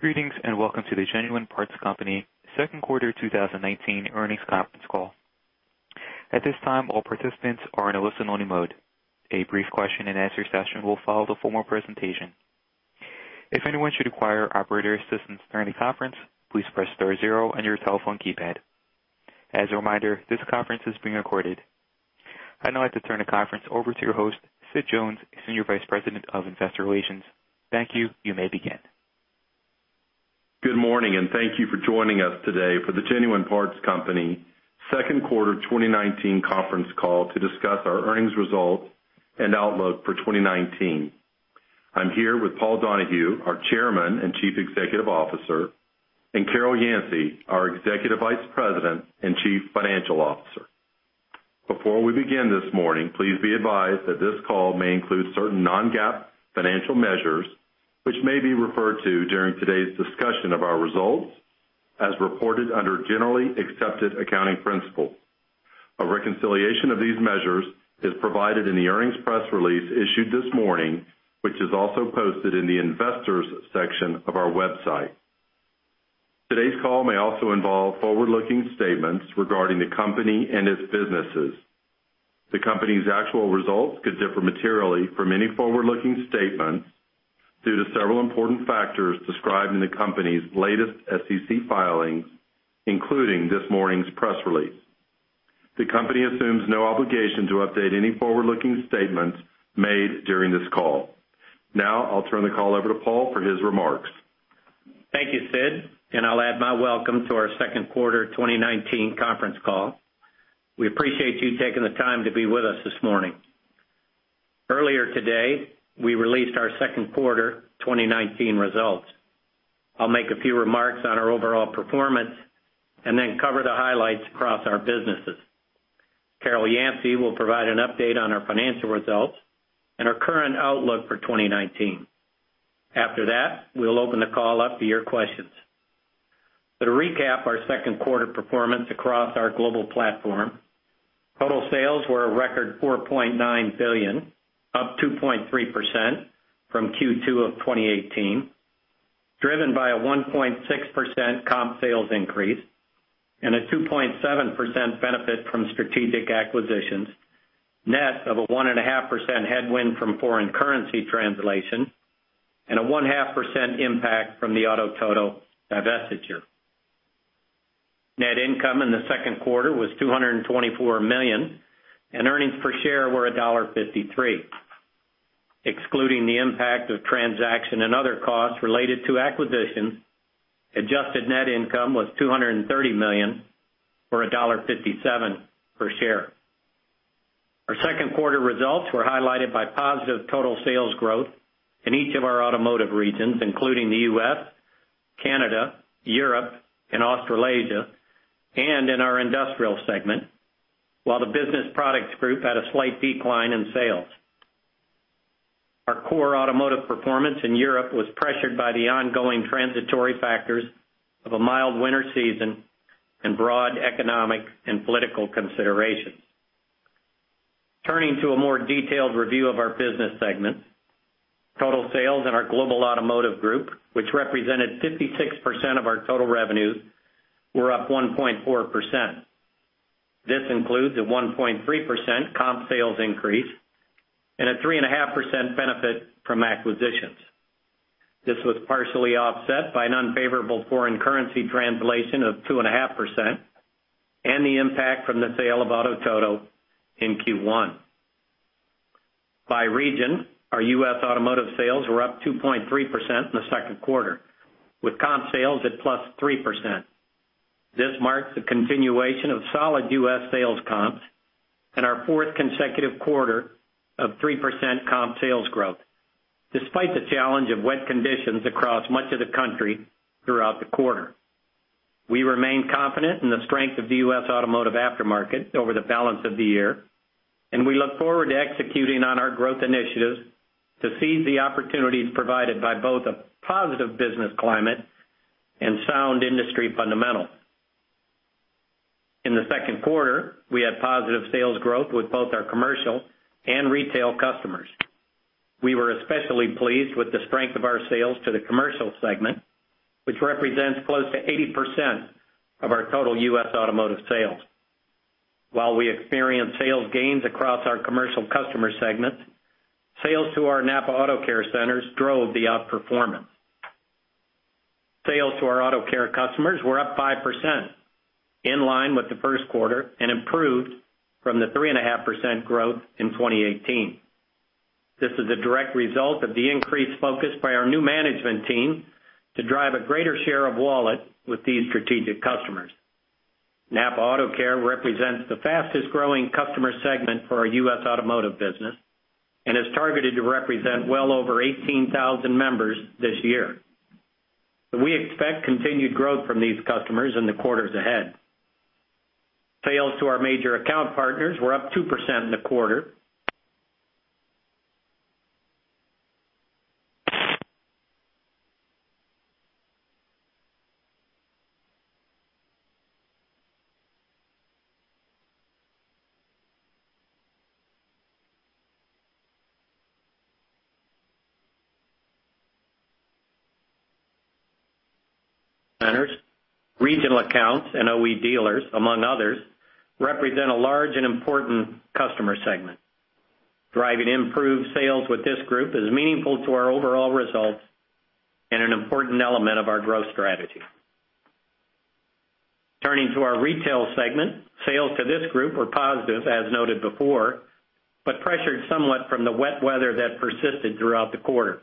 Greetings, and welcome to the Genuine Parts Company Q2 2019 earnings conference call. At this time, all participants are in a listen-only mode. A brief question and answer session will follow the formal presentation. If anyone should require operator assistance during the conference, please press star zero on your telephone keypad. As a reminder, this conference is being recorded. I'd now like to turn the conference over to your host, Sid Jones, Senior Vice President of Investor Relations. Thank you. You may begin. Good morning, thank you for joining us today for the Genuine Parts Company Q2 2019 conference call to discuss our earnings results and outlook for 2019. I'm here with Paul Donahue, our Chairman and Chief Executive Officer, Carol Yancey, our Executive Vice President and Chief Financial Officer. Before we begin this morning, please be advised that this call may include certain non-GAAP financial measures, which may be referred to during today's discussion of our results, as reported under generally accepted accounting principles. A reconciliation of these measures is provided in the earnings press release issued this morning, which is also posted in the investors section of our website. Today's call may also involve forward-looking statements regarding the company and its businesses. The company's actual results could differ materially from any forward-looking statements due to several important factors described in the company's latest SEC filings, including this morning's press release. The company assumes no obligation to update any forward-looking statements made during this call. I'll turn the call over to Paul for his remarks. Thank you, Sid, I'll add my welcome to our Q2 2019 conference call. We appreciate you taking the time to be with us this morning. Earlier today, we released our Q2 2019 results. I'll make a few remarks on our overall performance, then cover the highlights across our businesses. Carol Yancey will provide an update on our financial results and our current outlook for 2019. After that, we'll open the call up to your questions. To recap our Q2 performance across our global platform, total sales were a record $4.9 billion, up 2.3% from Q2 of 2018, driven by a 1.6% comp sales increase and a 2.7% benefit from strategic acquisitions, net of a 1.5% headwind from foreign currency translation and a 0.5% impact from the Auto Todo divestiture. Net income in the Q2 was $224 million, and earnings per share were $1.53. Excluding the impact of transaction and other costs related to acquisitions, adjusted net income was $230 million, or $1.57 per share. Our Q2 results were highlighted by positive total sales growth in each of our automotive regions, including the U.S., Canada, Europe, and Australasia, and in our industrial segment, while the business products group had a slight decline in sales. Our core automotive performance in Europe was pressured by the ongoing transitory factors of a mild winter season and broad economic and political considerations. Turning to a more detailed review of our business segments, total sales in our global automotive group, which represented 56% of our total revenues, were up 1.4%. This includes a 1.3% comp sales increase and a 3.5% benefit from acquisitions. This was partially offset by an unfavorable foreign currency translation of 2.5% and the impact from the sale of Auto Todo in Q1. By region, our U.S. automotive sales were up 2.3% in the Q2, with comp sales at plus 3%. This marks the continuation of solid U.S. sales comps and our fourth consecutive quarter of 3% comp sales growth, despite the challenge of wet conditions across much of the country throughout the quarter. We remain confident in the strength of the U.S. automotive aftermarket over the balance of the year, and we look forward to executing on our growth initiatives to seize the opportunities provided by both a positive business climate and sound industry fundamentals. In the Q2, we had positive sales growth with both our commercial and retail customers. We were especially pleased with the strength of our sales to the commercial segment, which represents close to 80% of our total U.S. automotive sales. While we experienced sales gains across our commercial customer segments, sales to our NAPA Auto Care Centers drove the outperformance. Sales to our auto care customers were up 5%, in line with the Q1, and improved from the 3.5% growth in 2018. This is a direct result of the increased focus by our new management team to drive a greater share of wallet with these strategic customers. NAPA Auto Care represents the fastest-growing customer segment for our U.S. automotive business and is targeted to represent well over 18,000 members this year, and we expect continued growth from these customers in the quarters ahead. Sales to our major account partners were up 2% in the quarter. centers, regional accounts, and OE dealers, among others, represent a large and important customer segment. Driving improved sales with this group is meaningful to our overall results and an important element of our growth strategy. Turning to our retail segment, sales to this group were positive, as noted before, but pressured somewhat from the wet weather that persisted throughout the quarter.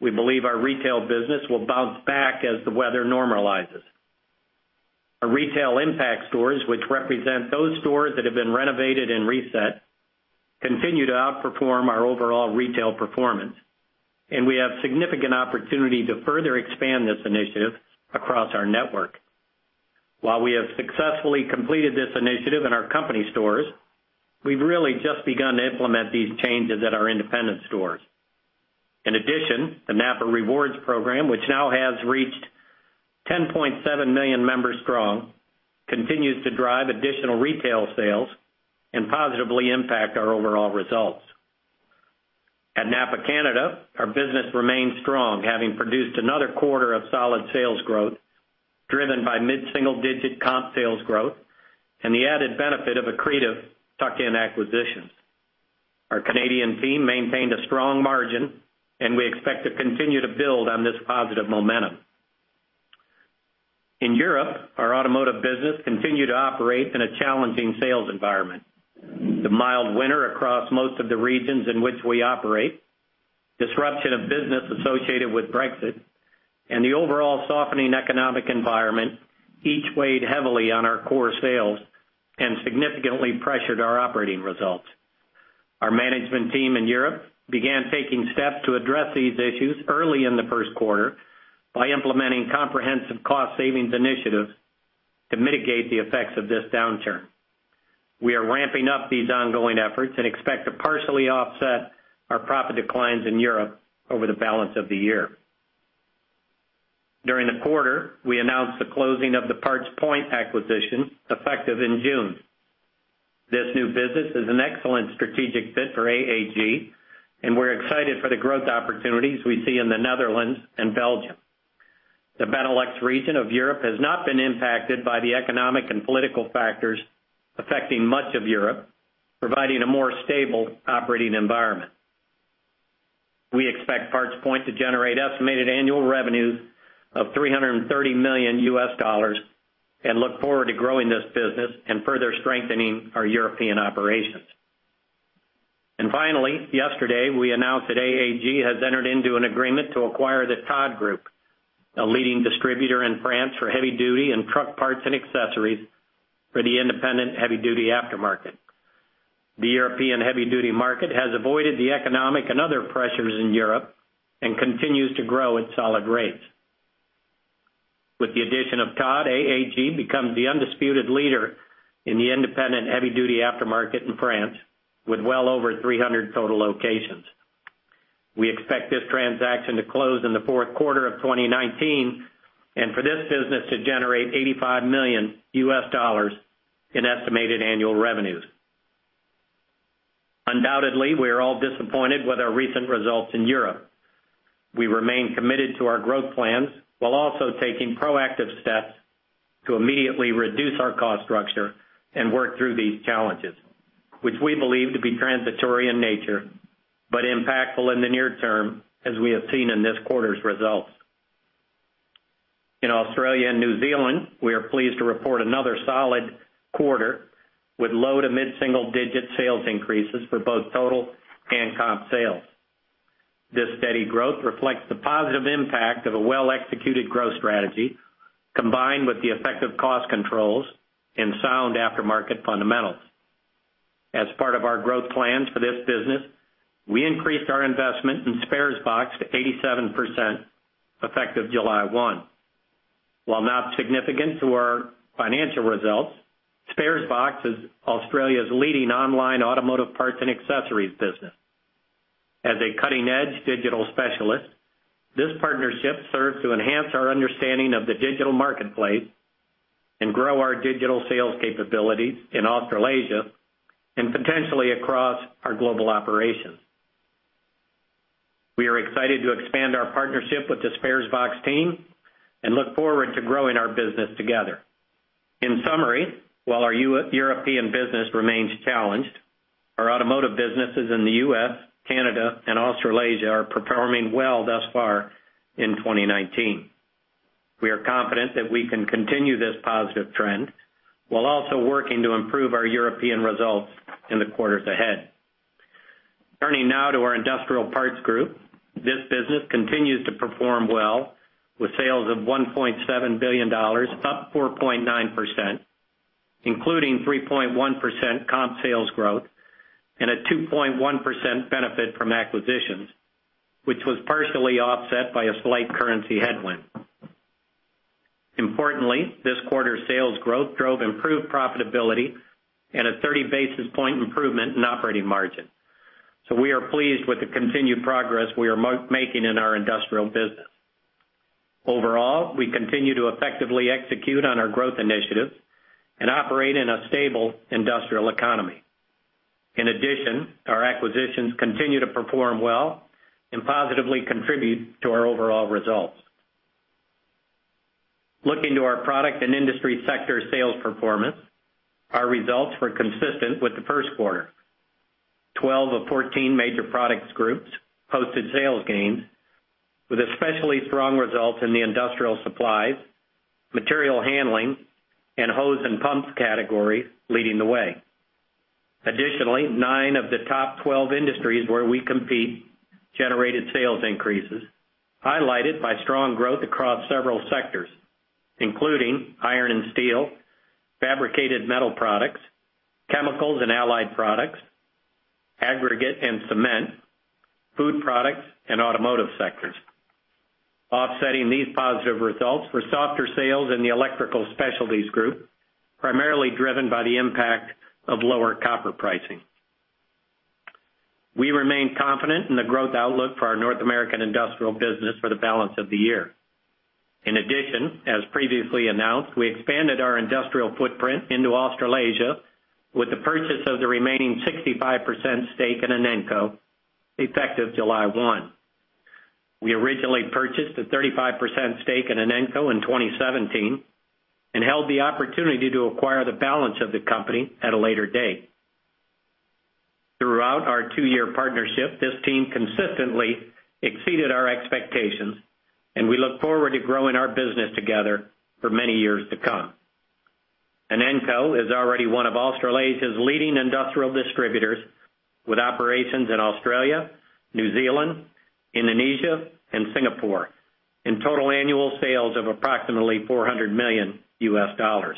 We believe our retail business will bounce back as the weather normalizes. Our retail impact stores, which represent those stores that have been renovated and reset, continue to outperform our overall retail performance, and we have significant opportunity to further expand this initiative across our network. While we have successfully completed this initiative in our company stores, we've really just begun to implement these changes at our independent stores. In addition, the NAPA Rewards program, which now has reached 10.7 million members strong, continues to drive additional retail sales and positively impact our overall results. At NAPA Canada, our business remains strong, having produced another quarter of solid sales growth, driven by mid-single-digit comp sales growth and the added benefit of accretive tuck-in acquisitions. Our Canadian team maintained a strong margin. We expect to continue to build on this positive momentum. In Europe, our automotive business continued to operate in a challenging sales environment. The mild winter across most of the regions in which we operate, disruption of business associated with Brexit, and the overall softening economic environment each weighed heavily on our core sales and significantly pressured our operating results. Our management team in Europe began taking steps to address these issues early in the Q1 by implementing comprehensive cost-savings initiatives to mitigate the effects of this downturn. We are ramping up these ongoing efforts and expect to partially offset our profit declines in Europe over the balance of the year. During the quarter, we announced the closing of the PartsPoint acquisition, effective in June. This new business is an excellent strategic fit for AAG. We're excited for the growth opportunities we see in the Netherlands and Belgium. The Benelux region of Europe has not been impacted by the economic and political factors affecting much of Europe, providing a more stable operating environment. We expect PartsPoint to generate estimated annual revenues of $330 million and look forward to growing this business and further strengthening our European operations. Finally, yesterday, we announced that AAG has entered into an agreement to acquire the Todd Group, a leading distributor in France for heavy-duty and truck parts and accessories for the independent heavy-duty aftermarket. The European heavy-duty market has avoided the economic and other pressures in Europe and continues to grow at solid rates. With the addition of Todd, AAG becomes the undisputed leader in the independent heavy-duty aftermarket in France, with well over 300 total locations. We expect this transaction to close in the Q4 of 2019 and for this business to generate $85 million in estimated annual revenues. Undoubtedly, we are all disappointed with our recent results in Europe. We remain committed to our growth plans while also taking proactive steps to immediately reduce our cost structure and work through these challenges, which we believe to be transitory in nature, but impactful in the near term, as we have seen in this quarter's results. In Australia and New Zealand, we are pleased to report another solid quarter with low- to mid-single-digit sales increases for both total and comp sales. This steady growth reflects the positive impact of a well-executed growth strategy, combined with the effective cost controls and sound aftermarket fundamentals. As part of our growth plans for this business, we increased our investment in Sparesbox to 87%, effective July 1. While not significant to our financial results, Sparesbox is Australia's leading online automotive parts and accessories business. As a cutting-edge digital specialist, this partnership serves to enhance our understanding of the digital marketplace and grow our digital sales capabilities in Australasia and potentially across our global operations. We are excited to expand our partnership with the Sparesbox team and look forward to growing our business together. In summary, while our European business remains challenged, our automotive businesses in the U.S., Canada, and Australasia are performing well thus far in 2019. We are confident that we can continue this positive trend while also working to improve our European results in the quarters ahead. Turning now to our Industrial Parts Group. This business continues to perform well with sales of $1.7 billion, up 4.9%, including 3.1% comp sales growth and a 2.1% benefit from acquisitions, which was partially offset by a slight currency headwind. Importantly, this quarter's sales growth drove improved profitability and a 30-basis-point improvement in operating margin. We are pleased with the continued progress we are making in our industrial business. Overall, we continue to effectively execute on our growth initiatives and operate in a stable industrial economy. In addition, our acquisitions continue to perform well and positively contribute to our overall results. Looking to our product and industry sector sales performance, our results were consistent with the Q1. 12 of 14 major product groups posted sales gains with especially strong results in the industrial supplies, material handling, and hose and pumps categories leading the way. Additionally, nine of the top 12 industries where we compete generated sales increases, highlighted by strong growth across several sectors, including iron and steel, fabricated metal products, chemicals and allied products, aggregate and cement, food products, and automotive sectors. Offsetting these positive results were softer sales in the electrical specialties group, primarily driven by the impact of lower copper pricing. We remain confident in the growth outlook for our North American industrial business for the balance of the year. In addition, as previously announced, we expanded our industrial footprint into Australasia with the purchase of the remaining 65% stake in Inenco effective July 1. We originally purchased a 35% stake in Inenco in 2017 and held the opportunity to acquire the balance of the company at a later date. Throughout our two-year partnership, this team consistently exceeded our expectations, and we look forward to growing our business together for many years to come. Inenco is already one of Australasia's leading industrial distributors, with operations in Australia, New Zealand, Indonesia, and Singapore, in total annual sales of approximately $400 million. Inenco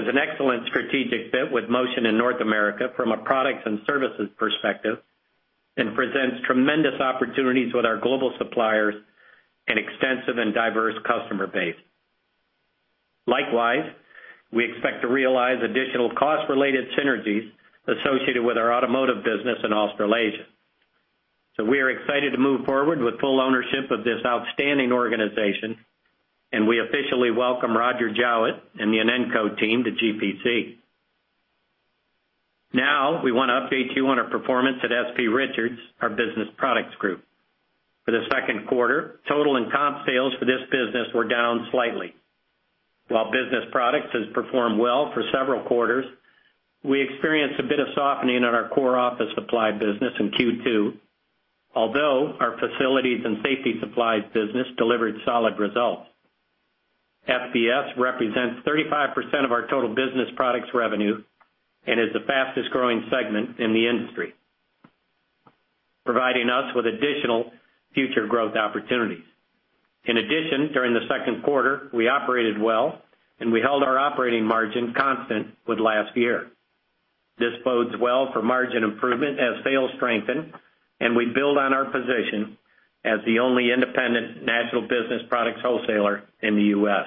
is an excellent strategic fit with Motion in North America from a products and services perspective and presents tremendous opportunities with our global suppliers an extensive and diverse customer base. Likewise, we expect to realize additional cost-related synergies associated with our automotive business in Australasia. We are excited to move forward with full ownership of this outstanding organization, and we officially welcome Roger Jowett and the Inenco team to GPC. Now, we want to update you on our performance at S.P. Richards, our business products group. For the Q2, total and comp sales for this business were down slightly. While business products has performed well for several quarters, we experienced a bit of softening on our core office supply business in Q2, although our facilities and safety supplies business delivered solid results. FPS represents 35% of our total business products revenue and is the fastest-growing segment in the industry, providing us with additional future growth opportunities. In addition, during the Q2, we operated well, and we held our operating margin constant with last year. This bodes well for margin improvement as sales strengthen, and we build on our position as the only independent national business products wholesaler in the U.S.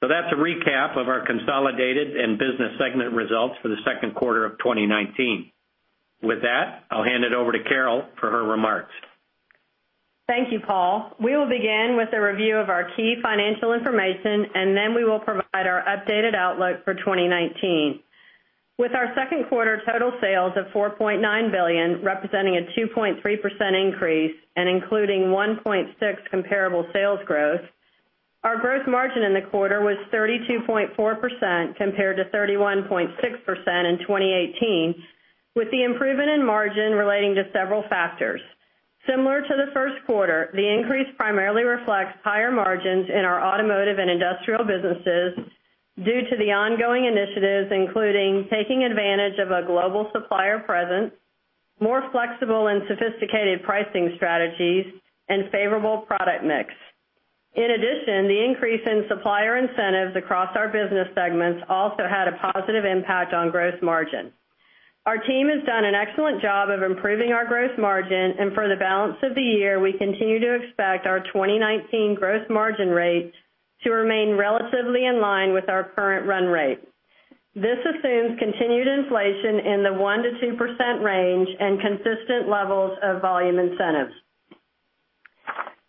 That's a recap of our consolidated and business segment results for the Q2 of 2019. With that, I'll hand it over to Carol for her remarks. Thank you, Paul. We will begin with a review of our key financial information. Then we will provide our updated outlook for 2019. With our Q2 total sales of $4.9 billion, representing a 2.3% increase and including 1.6% comparable sales growth, our gross margin in the quarter was 32.4% compared to 31.6% in 2018, with the improvement in margin relating to several factors. Similar to the Q1, the increase primarily reflects higher margins in our automotive and industrial businesses due to the ongoing initiatives, including taking advantage of a global supplier presence, more flexible and sophisticated pricing strategies, and favorable product mix. In addition, the increase in supplier incentives across our business segments also had a positive impact on gross margin. Our team has done an excellent job of improving our gross margin. For the balance of the year, we continue to expect our 2019 gross margin rates to remain relatively in line with our current run rate. This assumes continued inflation in the 1%-2% range and consistent levels of volume incentives.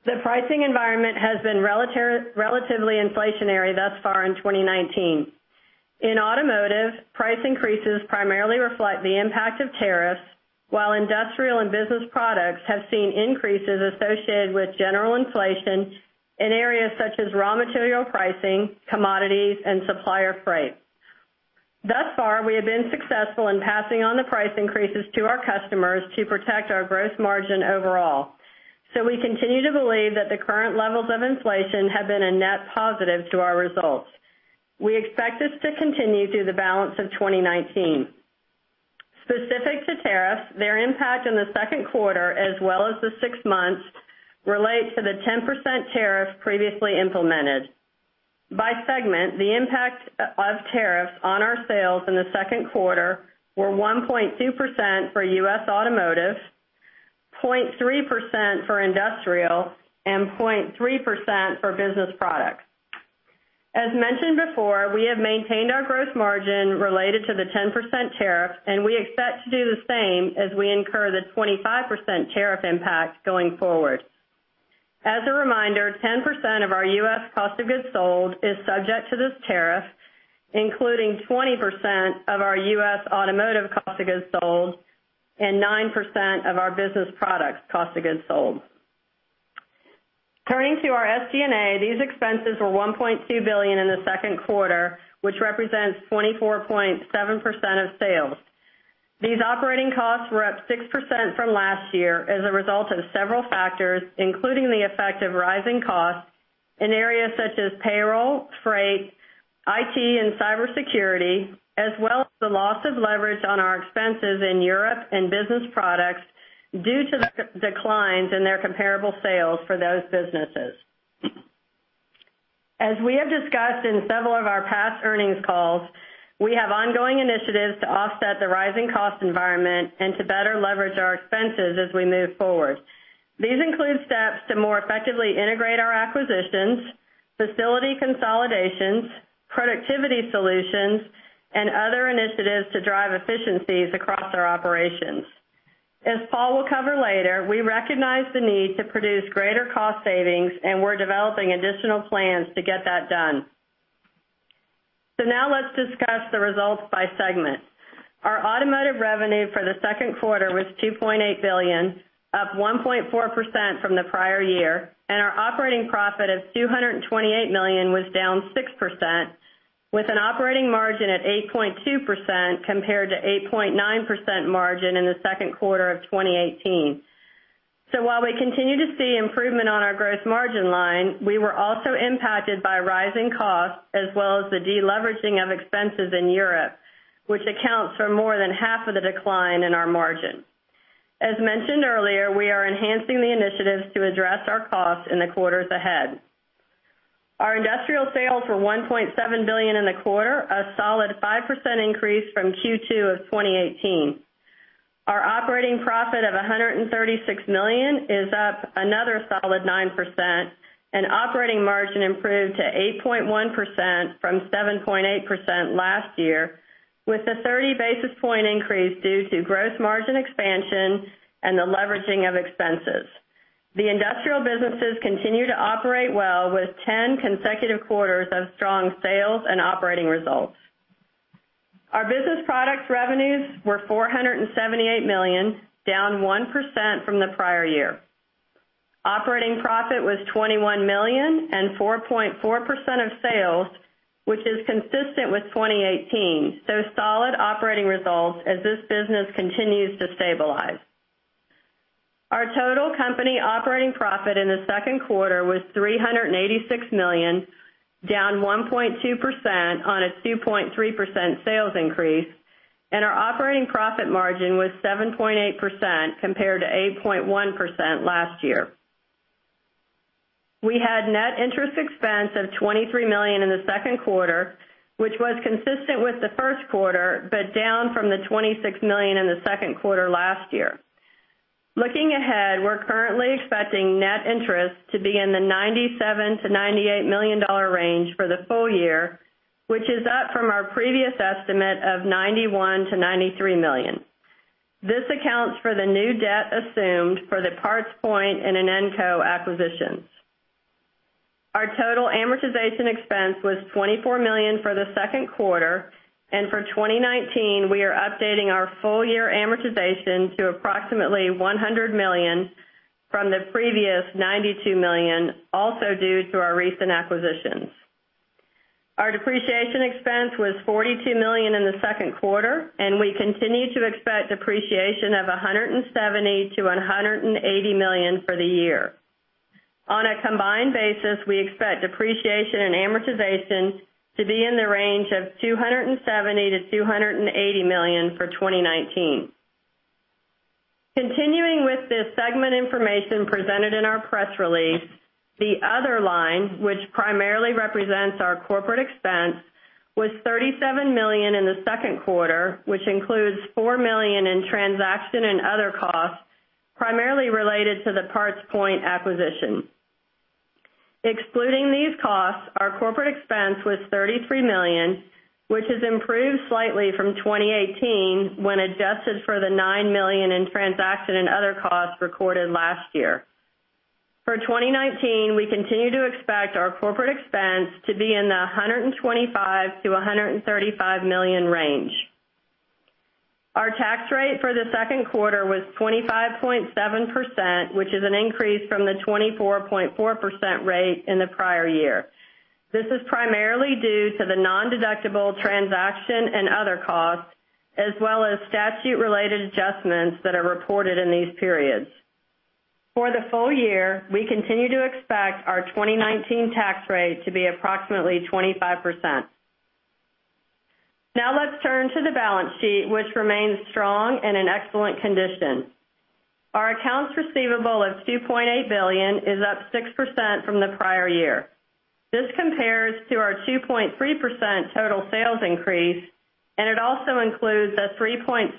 The pricing environment has been relatively inflationary thus far in 2019. In automotive, price increases primarily reflect the impact of tariffs, while industrial and business products have seen increases associated with general inflation in areas such as raw material pricing, commodities, and supplier freight. Thus far, we have been successful in passing on the price increases to our customers to protect our gross margin overall. So we continue to believe that the current levels of inflation have been a net positive to our results. We expect this to continue through the balance of 2019. Specific to tariffs, their impact in the Q2, as well as the six months, relate to the 10% tariff previously implemented. By segment, the impact of tariffs on our sales in the Q2 were 1.2% for U.S. Automotive, 0.3% for Industrial, and 0.3% for Business Products. As mentioned before, we have maintained our gross margin related to the 10% tariff. We expect to do the same as we incur the 25% tariff impact going forward. As a reminder, 10% of our U.S. cost of goods sold is subject to this tariff, including 20% of our U.S. automotive cost of goods sold and 9% of our Business Products cost of goods sold. Turning to our SG&A, these expenses were $1.2 billion in the Q2, which represents 24.7% of sales. These operating costs were up 6% from last year as a result of several factors, including the effect of rising costs in areas such as payroll, freight, IT, and cybersecurity, as well as the loss of leverage on our expenses in Europe and business products due to the declines in their comparable sales for those businesses. We have discussed in several of our past earnings calls, we have ongoing initiatives to offset the rising cost environment and to better leverage our expenses as we move forward. These include steps to more effectively integrate our acquisitions, facility consolidations, productivity solutions, and other initiatives to drive efficiencies across our operations. Paul will cover later, we recognize the need to produce greater cost savings, and we're developing additional plans to get that done. Now let's discuss the results by segment. Our automotive revenue for the Q2 was $2.8 billion, up 1.4% from the prior year, and our operating profit of $228 million was down 6%, with an operating margin at 8.2% compared to 8.9% margin in the Q2 of 2018. While we continue to see improvement on our gross margin line, we were also impacted by rising costs as well as the deleveraging of expenses in Europe, which accounts for more than half of the decline in our margin. Mentioned earlier, we are enhancing the initiatives to address our costs in the quarters ahead. Our industrial sales were $1.7 billion in the quarter, a solid 5% increase from Q2 of 2018. Our operating profit of $136 million is up another solid 9%, and operating margin improved to 8.1% from 7.8% last year, with a 30 basis point increase due to gross margin expansion and the leveraging of expenses. The industrial businesses continue to operate well with 10 consecutive quarters of strong sales and operating results. Our business products revenues were $478 million, down 1% from the prior year. Operating profit was $21 million and 4.4% of sales, which is consistent with 2018. Solid operating results as this business continues to stabilize. Our total company operating profit in the Q2 was $386 million, down 1.2% on a 2.3% sales increase, and our operating profit margin was 7.8% compared to 8.1% last year. We had net interest expense of $23 million in the Q2, which was consistent with the Q1, but down from the $26 million in the Q2 last year. Looking ahead, we're currently expecting net interest to be in the $97 million to $98 million range for the full year, which is up from our previous estimate of $91 million to $93 million. This accounts for the new debt assumed for the PartsPoint and Inenco acquisitions. Our total amortization expense was $24 million for the Q2, and for 2019, we are updating our full year amortization to approximately $100 million from the previous $92 million, also due to our recent acquisitions. Our depreciation expense was $42 million in the Q2, and we continue to expect depreciation of $170 million to $180 million for the year. On a combined basis, we expect depreciation and amortization to be in the range of $270 million to $280 million for 2019. Continuing with the segment information presented in our press release, the other line, which primarily represents our corporate expense, was $37 million in the Q2, which includes $4 million in transaction and other costs, primarily related to the PartsPoint acquisition. Excluding these costs, our corporate expense was $33 million, which has improved slightly from 2018 when adjusted for the $9 million in transaction and other costs recorded last year. For 2019, we continue to expect our corporate expense to be in the $125 million to $135 million range. Our tax rate for the Q2 was 25.7%, which is an increase from the 24.4% rate in the prior year. This is primarily due to the non-deductible transaction and other costs, as well as statute-related adjustments that are reported in these periods. For the full year, we continue to expect our 2019 tax rate to be approximately 25%. Now let's turn to the balance sheet, which remains strong and in excellent condition. Our accounts receivable of $2.8 billion is up 6% from the prior year. This compares to our 2.3% total sales increase, and it also includes a 3.7%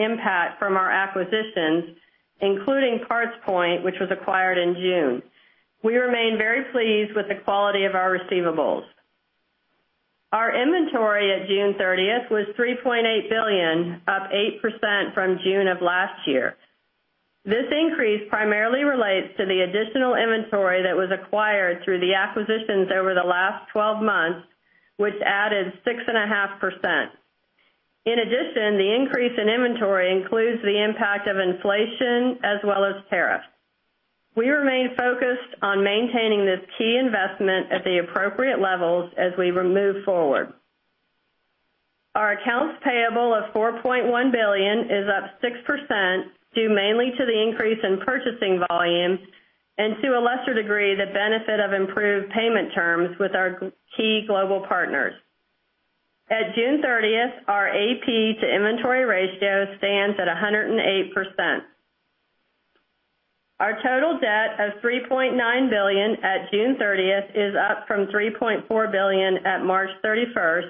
impact from our acquisitions, including PartsPoint, which was acquired in June. We remain very pleased with the quality of our receivables. Our inventory at June 30th was $3.8 billion, up 8% from June of last year. This increase primarily relates to the additional inventory that was acquired through the acquisitions over the last 12 months, which added 6.5%. In addition, the increase in inventory includes the impact of inflation as well as tariffs. We remain focused on maintaining this key investment at the appropriate levels as we move forward. Our accounts payable of $4.1 billion is up 6%, due mainly to the increase in purchasing volumes and, to a lesser degree, the benefit of improved payment terms with our key global partners. At June 30th, our AP to inventory ratio stands at 108%. Our total debt of $3.9 billion at June 30th is up from $3.4 billion at March 31st,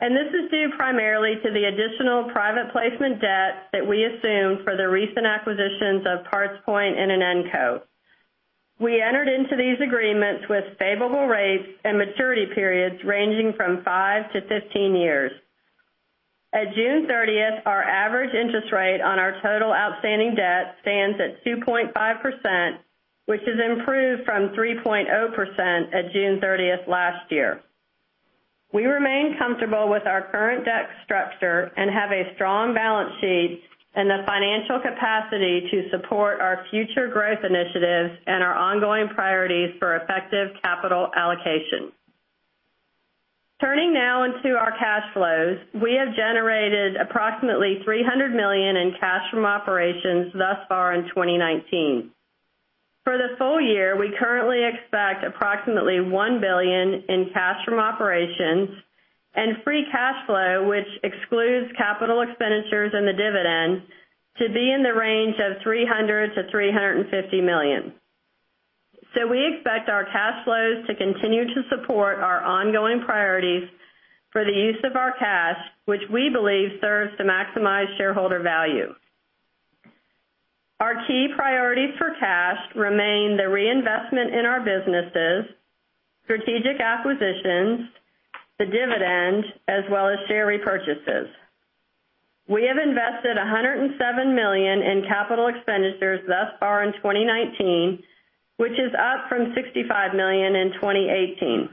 and this is due primarily to the additional private placement debt that we assumed for the recent acquisitions of PartsPoint and Inenco. We entered into these agreements with favorable rates and maturity periods ranging from 5 to 15 years. At June 30th, our average interest rate on our total outstanding debt stands at 2.5%, which has improved from 3.0% at June 30th last year. We remain comfortable with our current debt structure and have a strong balance sheet and the financial capacity to support our future growth initiatives and our ongoing priorities for effective capital allocation. Turning now into our cash flows. We have generated approximately $300 million in cash from operations thus far in 2019. For the full year, we currently expect approximately $1 billion in cash from operations and free cash flow, which excludes capital expenditures and the dividend, to be in the range of $300 million to $350 million. We expect our cash flows to continue to support our ongoing priorities for the use of our cash, which we believe serves to maximize shareholder value. Our key priorities for cash remain the reinvestment in our businesses, strategic acquisitions, the dividend, as well as share repurchases. We have invested $107 million in capital expenditures thus far in 2019, which is up from $65 million in 2018.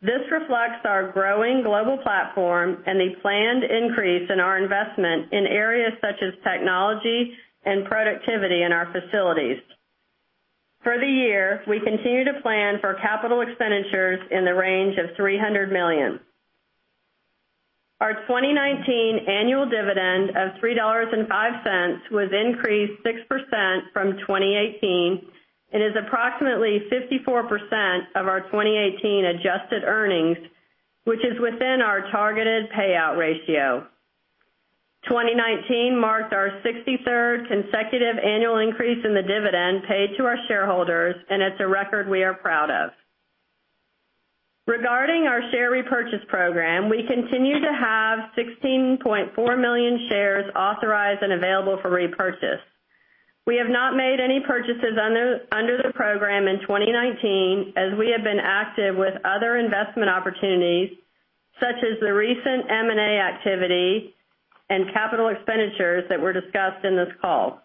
This reflects our growing global platform and the planned increase in our investment in areas such as technology and productivity in our facilities. For the year, we continue to plan for capital expenditures in the range of $300 million. Our 2019 annual dividend of $3.05 was increased 6% from 2018 and is approximately 54% of our 2018 adjusted earnings, which is within our targeted payout ratio. 2019 marked our 63rd consecutive annual increase in the dividend paid to our shareholders, and it's a record we are proud of. Regarding our share repurchase program, we continue to have 16.4 million shares authorized and available for repurchase. We have not made any purchases under the program in 2019, as we have been active with other investment opportunities, such as the recent M&A activity and capital expenditures that were discussed in this call.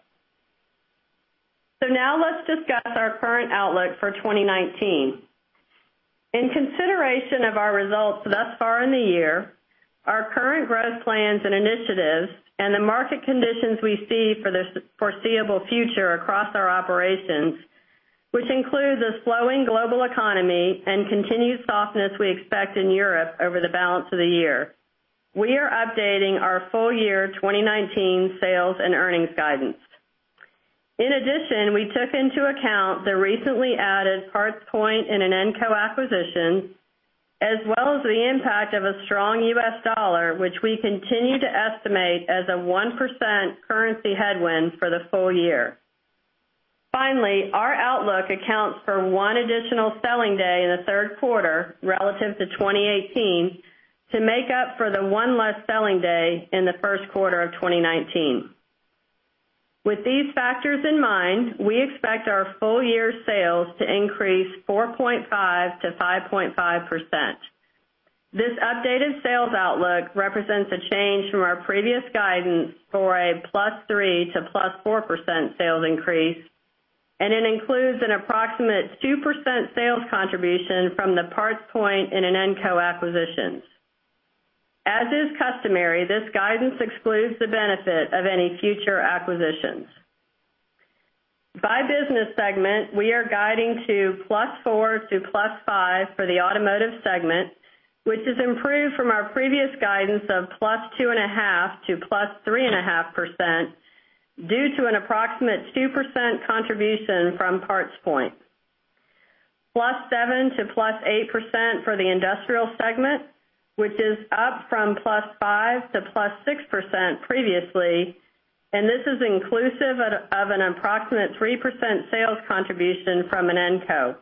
Now let's discuss our current outlook for 2019. In consideration of our results thus far in the year, our current growth plans and initiatives and the market conditions we see for the foreseeable future across our operations, which includes a slowing global economy and continued softness we expect in Europe over the balance of the year, we are updating our full year 2019 sales and earnings guidance. In addition, we took into account the recently added PartsPoint and Inenco acquisitions, as well as the impact of a strong U.S. dollar, which we continue to estimate as a 1% currency headwind for the full year. Finally, our outlook accounts for one additional selling day in the Q3 relative to 2018 to make up for the one less selling day in the Q1 of 2019. With these factors in mind, we expect our full year sales to increase 4.5% to 5.5%. This updated sales outlook represents a change from our previous guidance for a +3% to +4% sales increase, and it includes an approximate 2% sales contribution from the PartsPoint and Inenco acquisitions. As is customary, this guidance excludes the benefit of any future acquisitions. By business segment, we are guiding to +4% to +5% for the automotive segment, which has improved from our previous guidance of +2.5% to +3.5% due to an approximate 2% contribution from PartsPoint. +7% to +8% for the industrial segment, which is up from +5% to +6% previously, and this is inclusive of an approximate 3% sales contribution from Inenco.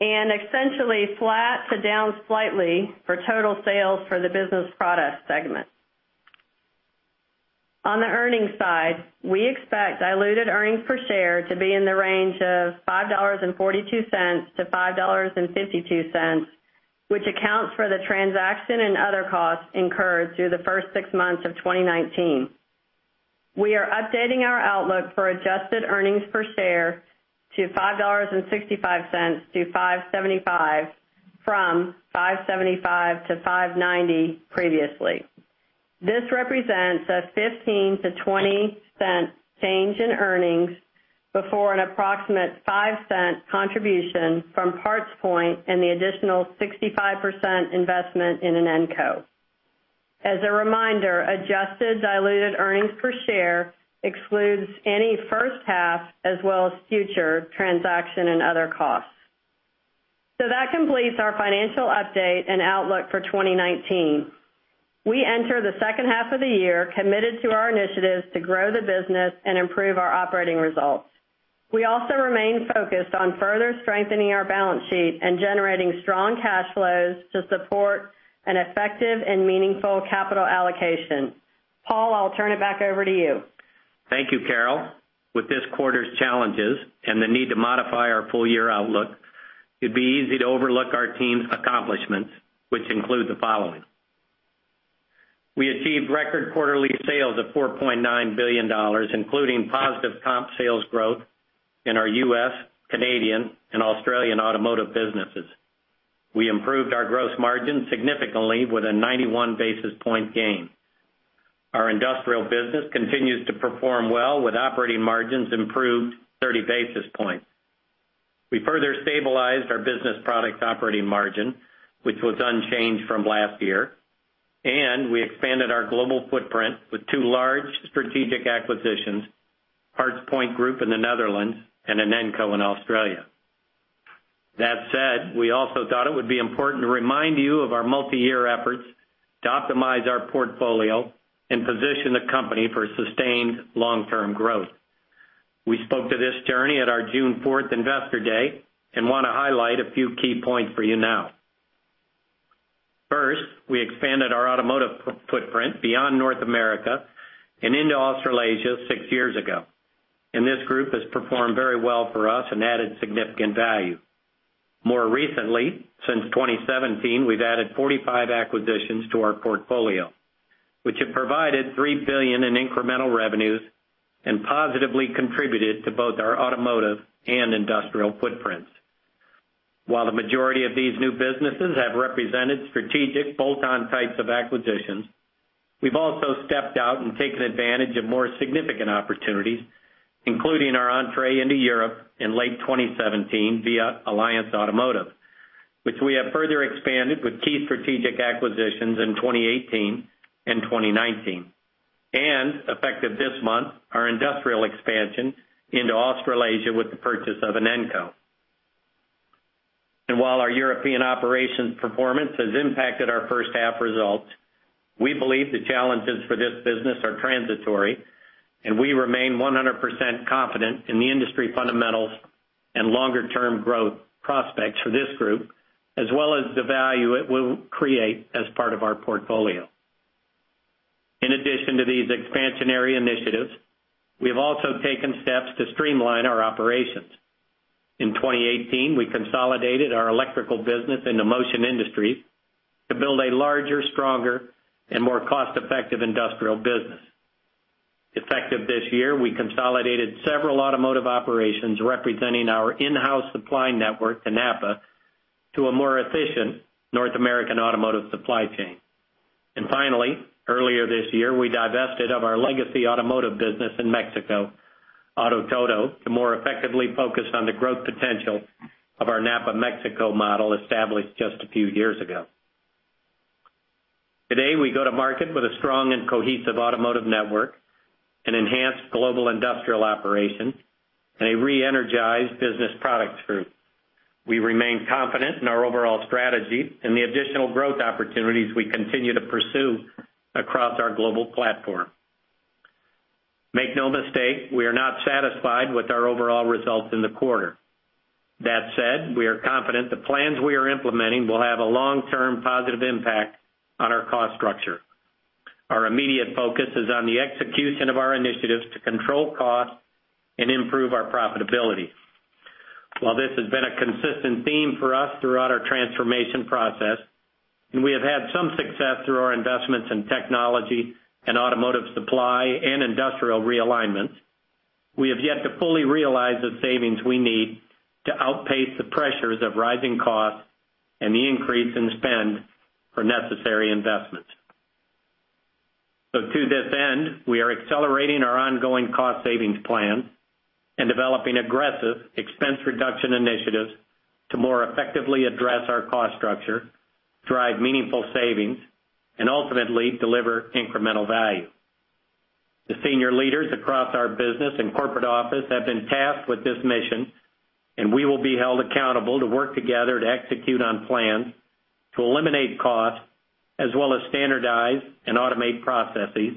And essentially flat to down slightly for total sales for the business product segment. On the earnings side, we expect diluted earnings per share to be in the range of $5.42-$5.52, which accounts for the transaction and other costs incurred through the first six months of 2019. We are updating our outlook for adjusted earnings per share to $5.65-$5.75 from $5.75-$5.90 previously. This represents a $0.15-$0.20 change in earnings before an approximate $0.05 contribution from PartsPoint and the additional 65% investment in Inenco. As a reminder, adjusted diluted earnings per share excludes any H1 as well as future transaction and other costs. So that completes our financial update and outlook for 2019. We enter the H2 of the year committed to our initiatives to grow the business and improve our operating results. We also remain focused on further strengthening our balance sheet and generating strong cash flows to support an effective and meaningful capital allocation. Paul, I will turn it back over to you. Thank you, Carol. With this quarter's challenges and the need to modify our full-year outlook, it would be easy to overlook our team's accomplishments, which include the following. We achieved record quarterly sales of $4.9 billion, including positive comp sales growth in our U.S., Canadian, and Australian automotive businesses. We improved our gross margin significantly with a 91 basis point gain. Our industrial business continues to perform well with operating margins improved 30 basis points. We further stabilized our business products operating margin, which was unchanged from last year, and we expanded our global footprint with two large strategic acquisitions, PartsPoint Group in the Netherlands and Inenco in Australia. That said, we also thought it would be important to remind you of our multi-year efforts to optimize our portfolio and position the company for sustained long-term growth. We spoke to this journey at our June 4th investor day and want to highlight a few key points for you now. First, we expanded our automotive footprint beyond North America and into Australasia six years ago, and this group has performed very well for us and added significant value. More recently, since 2017, we have added 45 acquisitions to our portfolio, which have provided $3 billion in incremental revenues and positively contributed to both our automotive and industrial footprints. While the majority of these new businesses have represented strategic bolt-on types of acquisitions, we have also stepped out and taken advantage of more significant opportunities, including our entree into Europe in late 2017 via Alliance Automotive, which we have further expanded with key strategic acquisitions in 2018 and 2019. Effective this month, our industrial expansion into Australasia with the purchase of Inenco. While our European operations performance has impacted our H1 results, we believe the challenges for this business are transitory, and we remain 100% confident in the industry fundamentals and longer-term growth prospects for this group, as well as the value it will create as part of our portfolio. In addition to these expansionary initiatives, we have also taken steps to streamline our operations. In 2018, we consolidated our electrical business into Motion Industries to build a larger, stronger, and more cost-effective industrial business. Effective this year, we consolidated several automotive operations representing our in-house supply network to NAPA to a more efficient North American automotive supply chain. Finally, earlier this year, we divested of our legacy automotive business in Mexico, Grupo Auto Todo, to more effectively focus on the growth potential of our NAPA Mexico model established just a few years ago. Today, we go to market with a strong and cohesive automotive network, an enhanced global industrial operation, and a re-energized Business Products Group. We remain confident in our overall strategy and the additional growth opportunities we continue to pursue across our global platform. Make no mistake, we are not satisfied with our overall results in the quarter. That said, we are confident the plans we are implementing will have a long-term positive impact on our cost structure. Our immediate focus is on the execution of our initiatives to control costs and improve our profitability. While this has been a consistent theme for us throughout our transformation process, and we have had some success through our investments in technology and automotive supply and industrial realignment, we have yet to fully realize the savings we need to outpace the pressures of rising costs and the increase in spend for necessary investments. To this end, we are accelerating our ongoing cost savings plan and developing aggressive expense reduction initiatives to more effectively address our cost structure, drive meaningful savings, and ultimately deliver incremental value. The senior leaders across our business and corporate office have been tasked with this mission, and we will be held accountable to work together to execute on plans to eliminate costs as well as standardize and automate processes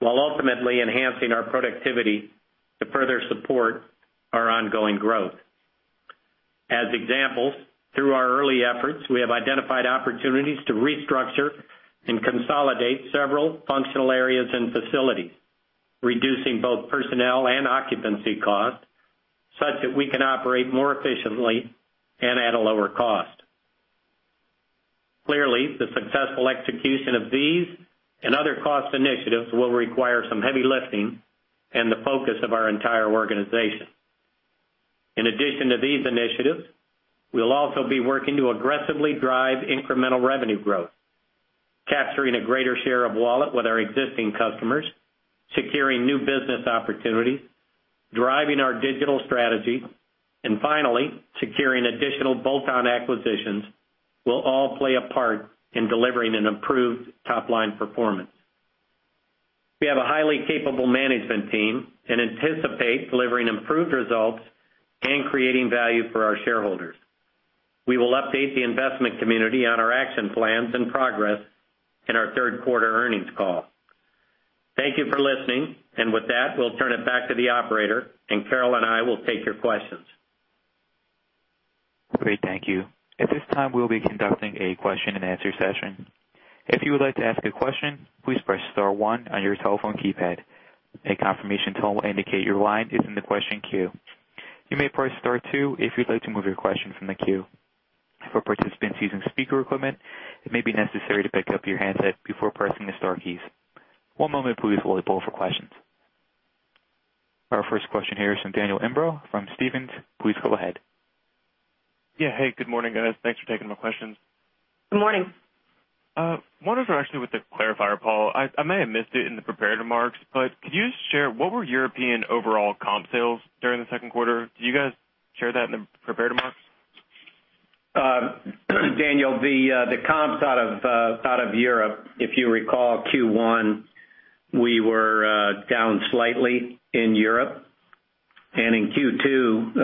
while ultimately enhancing our productivity to further support our ongoing growth. As examples, through our early efforts, we have identified opportunities to restructure and consolidate several functional areas and facilities, reducing both personnel and occupancy costs such that we can operate more efficiently and at a lower cost. Clearly, the successful execution of these and other cost initiatives will require some heavy lifting and the focus of our entire organization. In addition to these initiatives, we'll also be working to aggressively drive incremental revenue growth, capturing a greater share of wallet with our existing customers, securing new business opportunities, driving our digital strategy, and finally, securing additional bolt-on acquisitions will all play a part in delivering an improved top-line performance. We have a highly capable management team and anticipate delivering improved results and creating value for our shareholders. We will update the investment community on our action plans and progress in our Q3 earnings call. Thank you for listening. With that, we'll turn it back to the operator, and Carol and I will take your questions. Great. Thank you. At this time, we'll be conducting a question and answer session. If you would like to ask a question, please press star one on your telephone keypad. A confirmation tone will indicate your line is in the question queue. You may press star two if you'd like to move your question from the queue. For participants using speaker equipment, it may be necessary to pick up your handset before pressing the star keys. One moment please while we poll for questions. Our first question here is from Daniel Imbro from Stephens. Please go ahead. Yeah. Hey, good morning, guys. Thanks for taking my questions. Good morning. One is actually with the clarifier, Paul. I may have missed it in the prepared remarks, but could you just share what were European overall comp sales during the Q2? Did you guys share that in the prepared remarks? Daniel, the comps out of Europe, if you recall, Q1, we were down slightly in Europe. In Q2,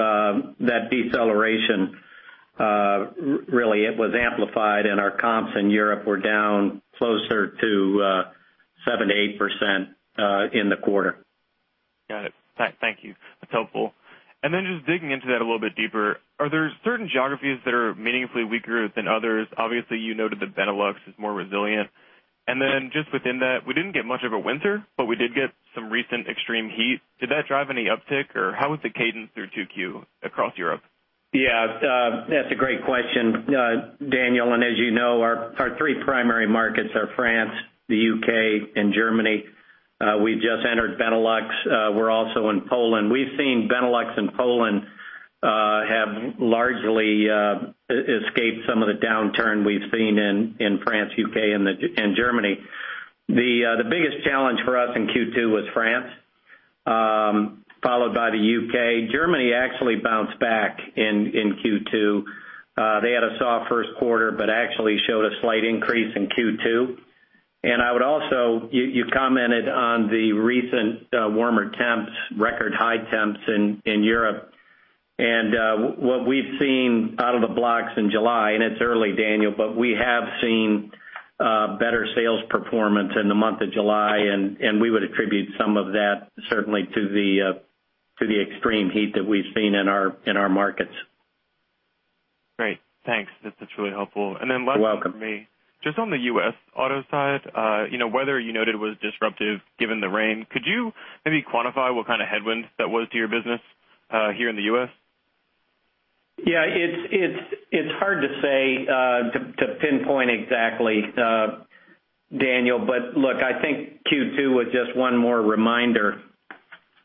that deceleration, really it was amplified and our comps in Europe were down closer to 7-8 % in the quarter. Got it. Thank you. That's helpful. Just digging into that a little bit deeper, are there certain geographies that are meaningfully weaker than others? Obviously, you noted that Benelux is more resilient. Just within that, we didn't get much of a winter, but we did get some recent extreme heat. Did that drive any uptick, or how was the cadence through 2Q across Europe? Yeah. That's a great question, Daniel. As you know, our three primary markets are France, the U.K., and Germany. We've just entered Benelux. We're also in Poland. We've seen Benelux and Poland have largely escaped some of the downturn we've seen in France, U.K., and Germany. The biggest challenge for us in Q2 was France, followed by the U.K. Germany actually bounced back in Q2. They had a soft Q1, but actually showed a slight increase in Q2. And I will also, you commented on the recent warmer temps, record high temps in Europe. What we've seen out of the blocks in July, and it's early, Daniel, but we have seen better sales performance in the month of July, and we would attribute some of that certainly to the extreme heat that we've seen in our markets. Great. Thanks. That's really helpful. You're welcome. Last one from me. Just on the U.S. auto side, weather you noted was disruptive given the rain. Could you maybe quantify what kind of headwinds that was to your business here in the U.S.? Yeah. It's hard to say, to pinpoint exactly, Daniel. Look, I think Q2 was just one more reminder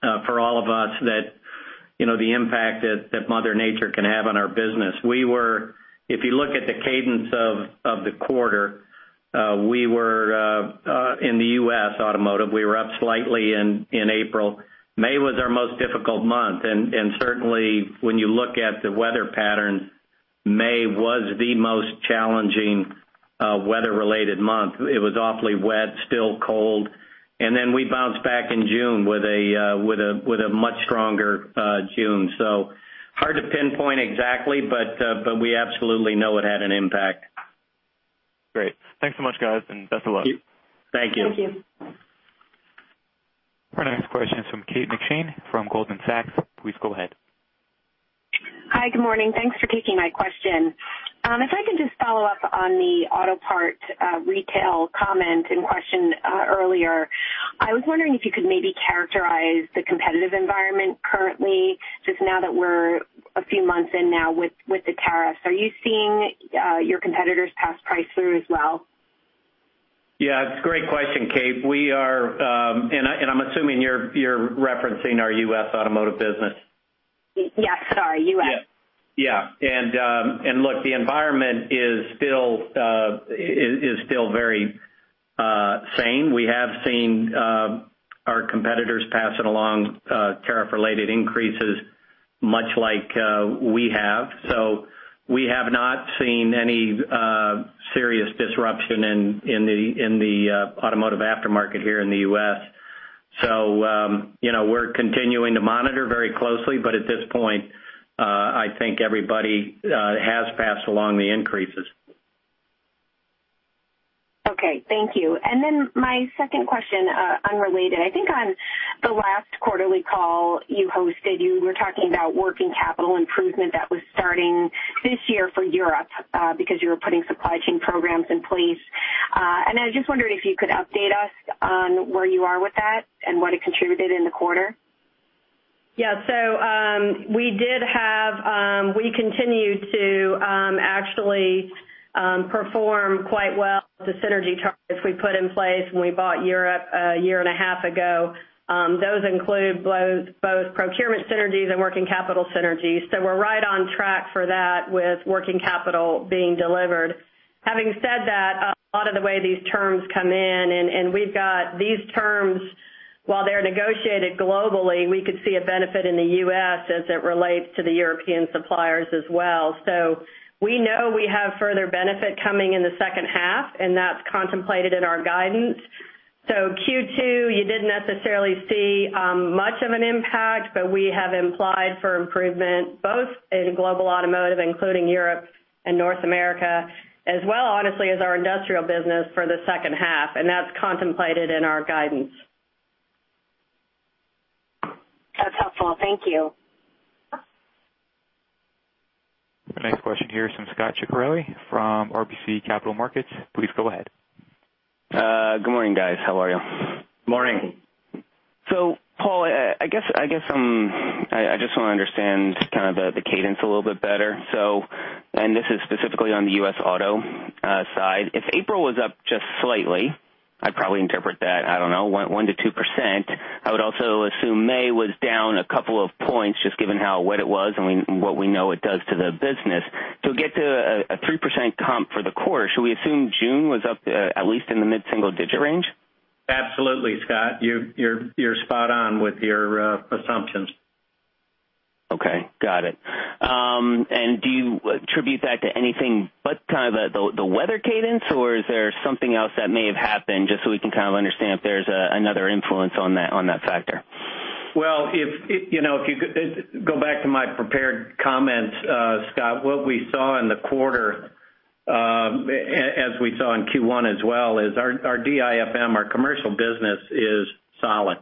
for all of us that the impact that Mother Nature can have on our business. If you look at the cadence of the quarter, in the U.S. automotive, we were up slightly in April. May was our most difficult month. Certainly, when you look at the weather pattern, May was the most challenging weather-related month. It was awfully wet, still cold. We bounced back in June with a much stronger June. Hard to pinpoint exactly, but we absolutely know it had an impact. Great. Thanks so much, guys, and best of luck. Thank you. Our next question is from Kate McShane from Goldman Sachs. Please go ahead. Hi. Good morning. Thanks for taking my question. If I can just follow up on the auto part retail comment and question earlier. I was wondering if you could maybe characterize the competitive environment currently, just now that we're a few months in now with the tariffs. Are you seeing your competitors pass price through as well? Yeah. It's a great question, Kate. I'm assuming you're referencing our U.S. automotive business. Yes. Sorry. U.S. Yeah. Look, the environment is still very sane. We have seen our competitors passing along tariff-related increases, much like we have. We have not seen any serious disruption in the automotive aftermarket here in the U.S. We're continuing to monitor very closely, but at this point, I think everybody has passed along the increases. Okay, thank you. Then my second question, unrelated. I think on the last quarterly call you hosted, you were talking about working capital improvement that was starting this year for Europe, because you were putting supply chain programs in place. I just wondered if you could update us on where you are with that and what it contributed in the quarter. Yeah. So we continue to actually perform quite well the synergy targets we put in place when we bought Europe a year and a half ago. Those include both procurement synergies and working capital synergies. We're right on track for that, with working capital being delivered. Having said that, a lot of the way these terms come in, and we've got these terms, while they're negotiated globally, we could see a benefit in the U.S. as it relates to the European suppliers as well. So we know we have further benefit coming in the H2, and that's contemplated in our guidance. Q2, you didn't necessarily see much of an impact, but we have implied for improvement both in global automotive, including Europe and North America, as well, honestly, as our industrial business for the H2, and that's contemplated in our guidance. That's helpful. Thank you. The next question here is from Scot Ciccarelli from RBC Capital Markets. Please go ahead. Good morning, guys. How are you? Morning. Paul, I just want to understand kind of the cadence a little bit better. This is specifically on the U.S. Auto side. If April was up just slightly, I'd probably interpret that, I don't know, 1% to 2%. I would also assume May was down a couple of points, just given how wet it was and what we know it does to the business. To get to a 3% comp for the quarter, should we assume June was up at least in the mid-single digit range? Absolutely, Scot. You're spot on with your assumptions. Okay, got it. Do you attribute that to anything but kind of the weather cadence, or is there something else that may have happened, just so we can kind of understand if there's another influence on that factor? Well, if you go back to my prepared comments, Scot, what we saw in the quarter, as we saw in Q1 as well, is our DIFM, our commercial business, is solid.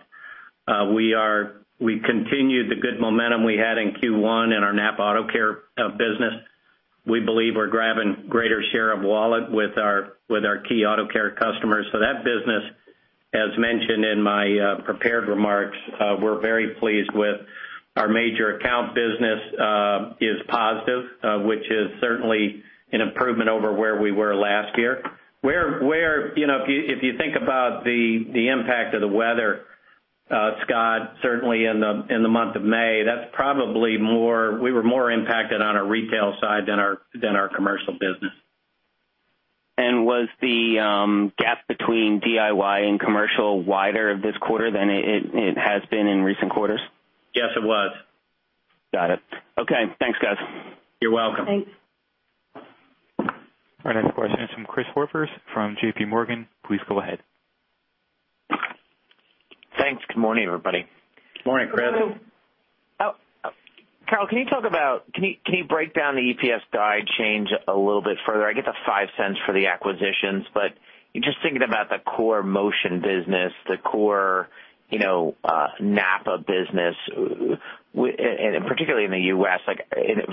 We continued the good momentum we had in Q1 in our NAPA Auto Care business. We believe we're grabbing greater share of wallet with our key auto care customers. That business, as mentioned in my prepared remarks, we're very pleased with. Our major account business is positive, which is certainly an improvement over where we were last year. If you think about the impact of the weather, Scot, certainly in the month of May, we were more impacted on our retail side than our commercial business. Was the gap between DIY and commercial wider this quarter than it has been in recent quarters? Yes, it was. Got it. Okay, thanks, guys. You're welcome. Thanks. Our next question is from Chris Horvers from JPMorgan. Please go ahead. Thanks. Good morning, everybody. Good morning, Chris. Good morning. Carol, can you break down the EPS guide change a little bit further? I get the $0.05 for the acquisitions, but just thinking about the core Motion business, the core NAPA business, and particularly in the U.S.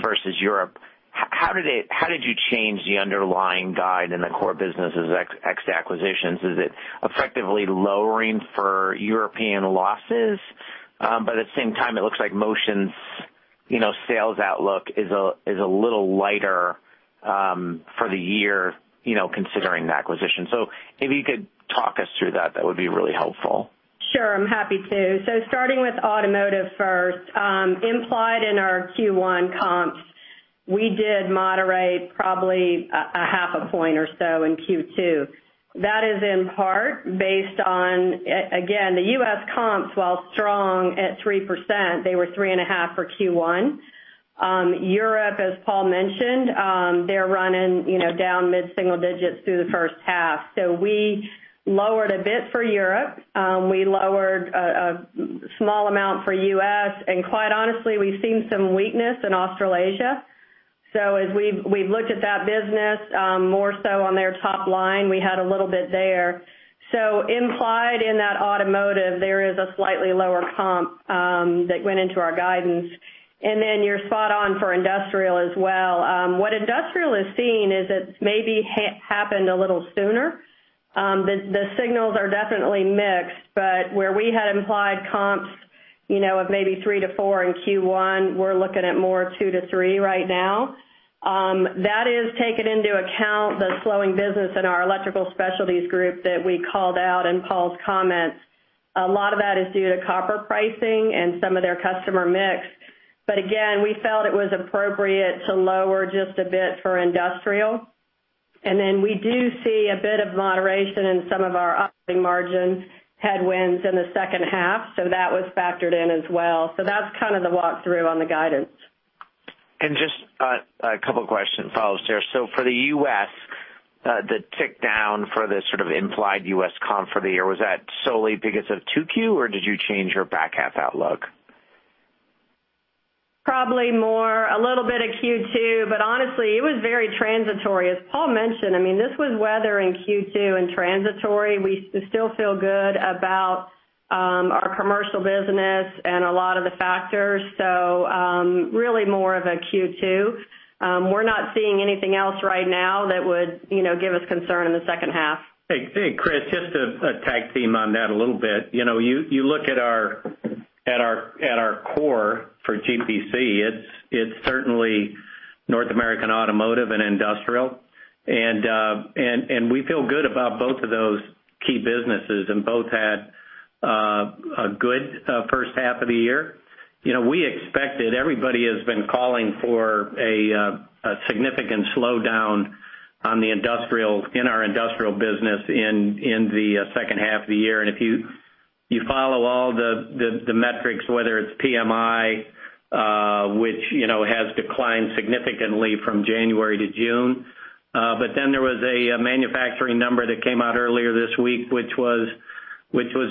versus Europe, how did you change the underlying guide in the core businesses ex acquisitions? Is it effectively lowering for European losses? At the same time, it looks like Motion's sales outlook is a little lighter for the year, considering the acquisition. If you could talk us through that would be really helpful. Sure, I'm happy to. Starting with Automotive first. Implied in our Q1 comps, we did moderate probably a half a point or so in Q2. That is in part based on, again, the U.S. comps, while strong at 3%, they were 3.5% for Q1. Europe, as Paul mentioned, they're running down mid-single digits through the H1. We lowered a bit for Europe. We lowered a small amount for U.S., and quite honestly, we've seen some weakness in Australasia. As we've looked at that business, more so on their top line, we had a little bit there. Implied in that Automotive, there is a slightly lower comp that went into our guidance. You're spot on for Industrial as well. What Industrial is seeing is it maybe happened a little sooner. The signals are definitely mixed, where we had implied comps of maybe 3%-4% in Q1, we're looking at more 2%-3% right now. That is taking into account the slowing business in our Electrical Specialties Group that we called out in Paul's comments. A lot of that is due to copper pricing and some of their customer mix. Again, we felt it was appropriate to lower just a bit for Industrial. We do see a bit of moderation in some of our operating margins headwinds in the H2. That was factored in as well. That's kind of the walk-through on the guidance. Just a couple questions, follow-ups there. For the U.S., the tick down for the sort of implied U.S. comp for the year, was that solely because of 2Q, or did you change your back half outlook? Probably more a little bit of Q2, honestly, it was very transitory. As Paul mentioned, this was weather in Q2 and transitory. We still feel good about our commercial business and a lot of the factors. Really more of a Q2. We're not seeing anything else right now that would give us concern in the H2. Hey, Chris, just to tag team on that a little bit. You look at our core for GPC, it's certainly North American Automotive and Industrial, we feel good about both of those key businesses, both had a good H1 of the year. We expected everybody has been calling for a significant slowdown in our Industrial business in the H2 of the year. If you follow all the metrics, whether it's PMI, which has declined significantly from January to June. There was a manufacturing number that came out earlier this week, which was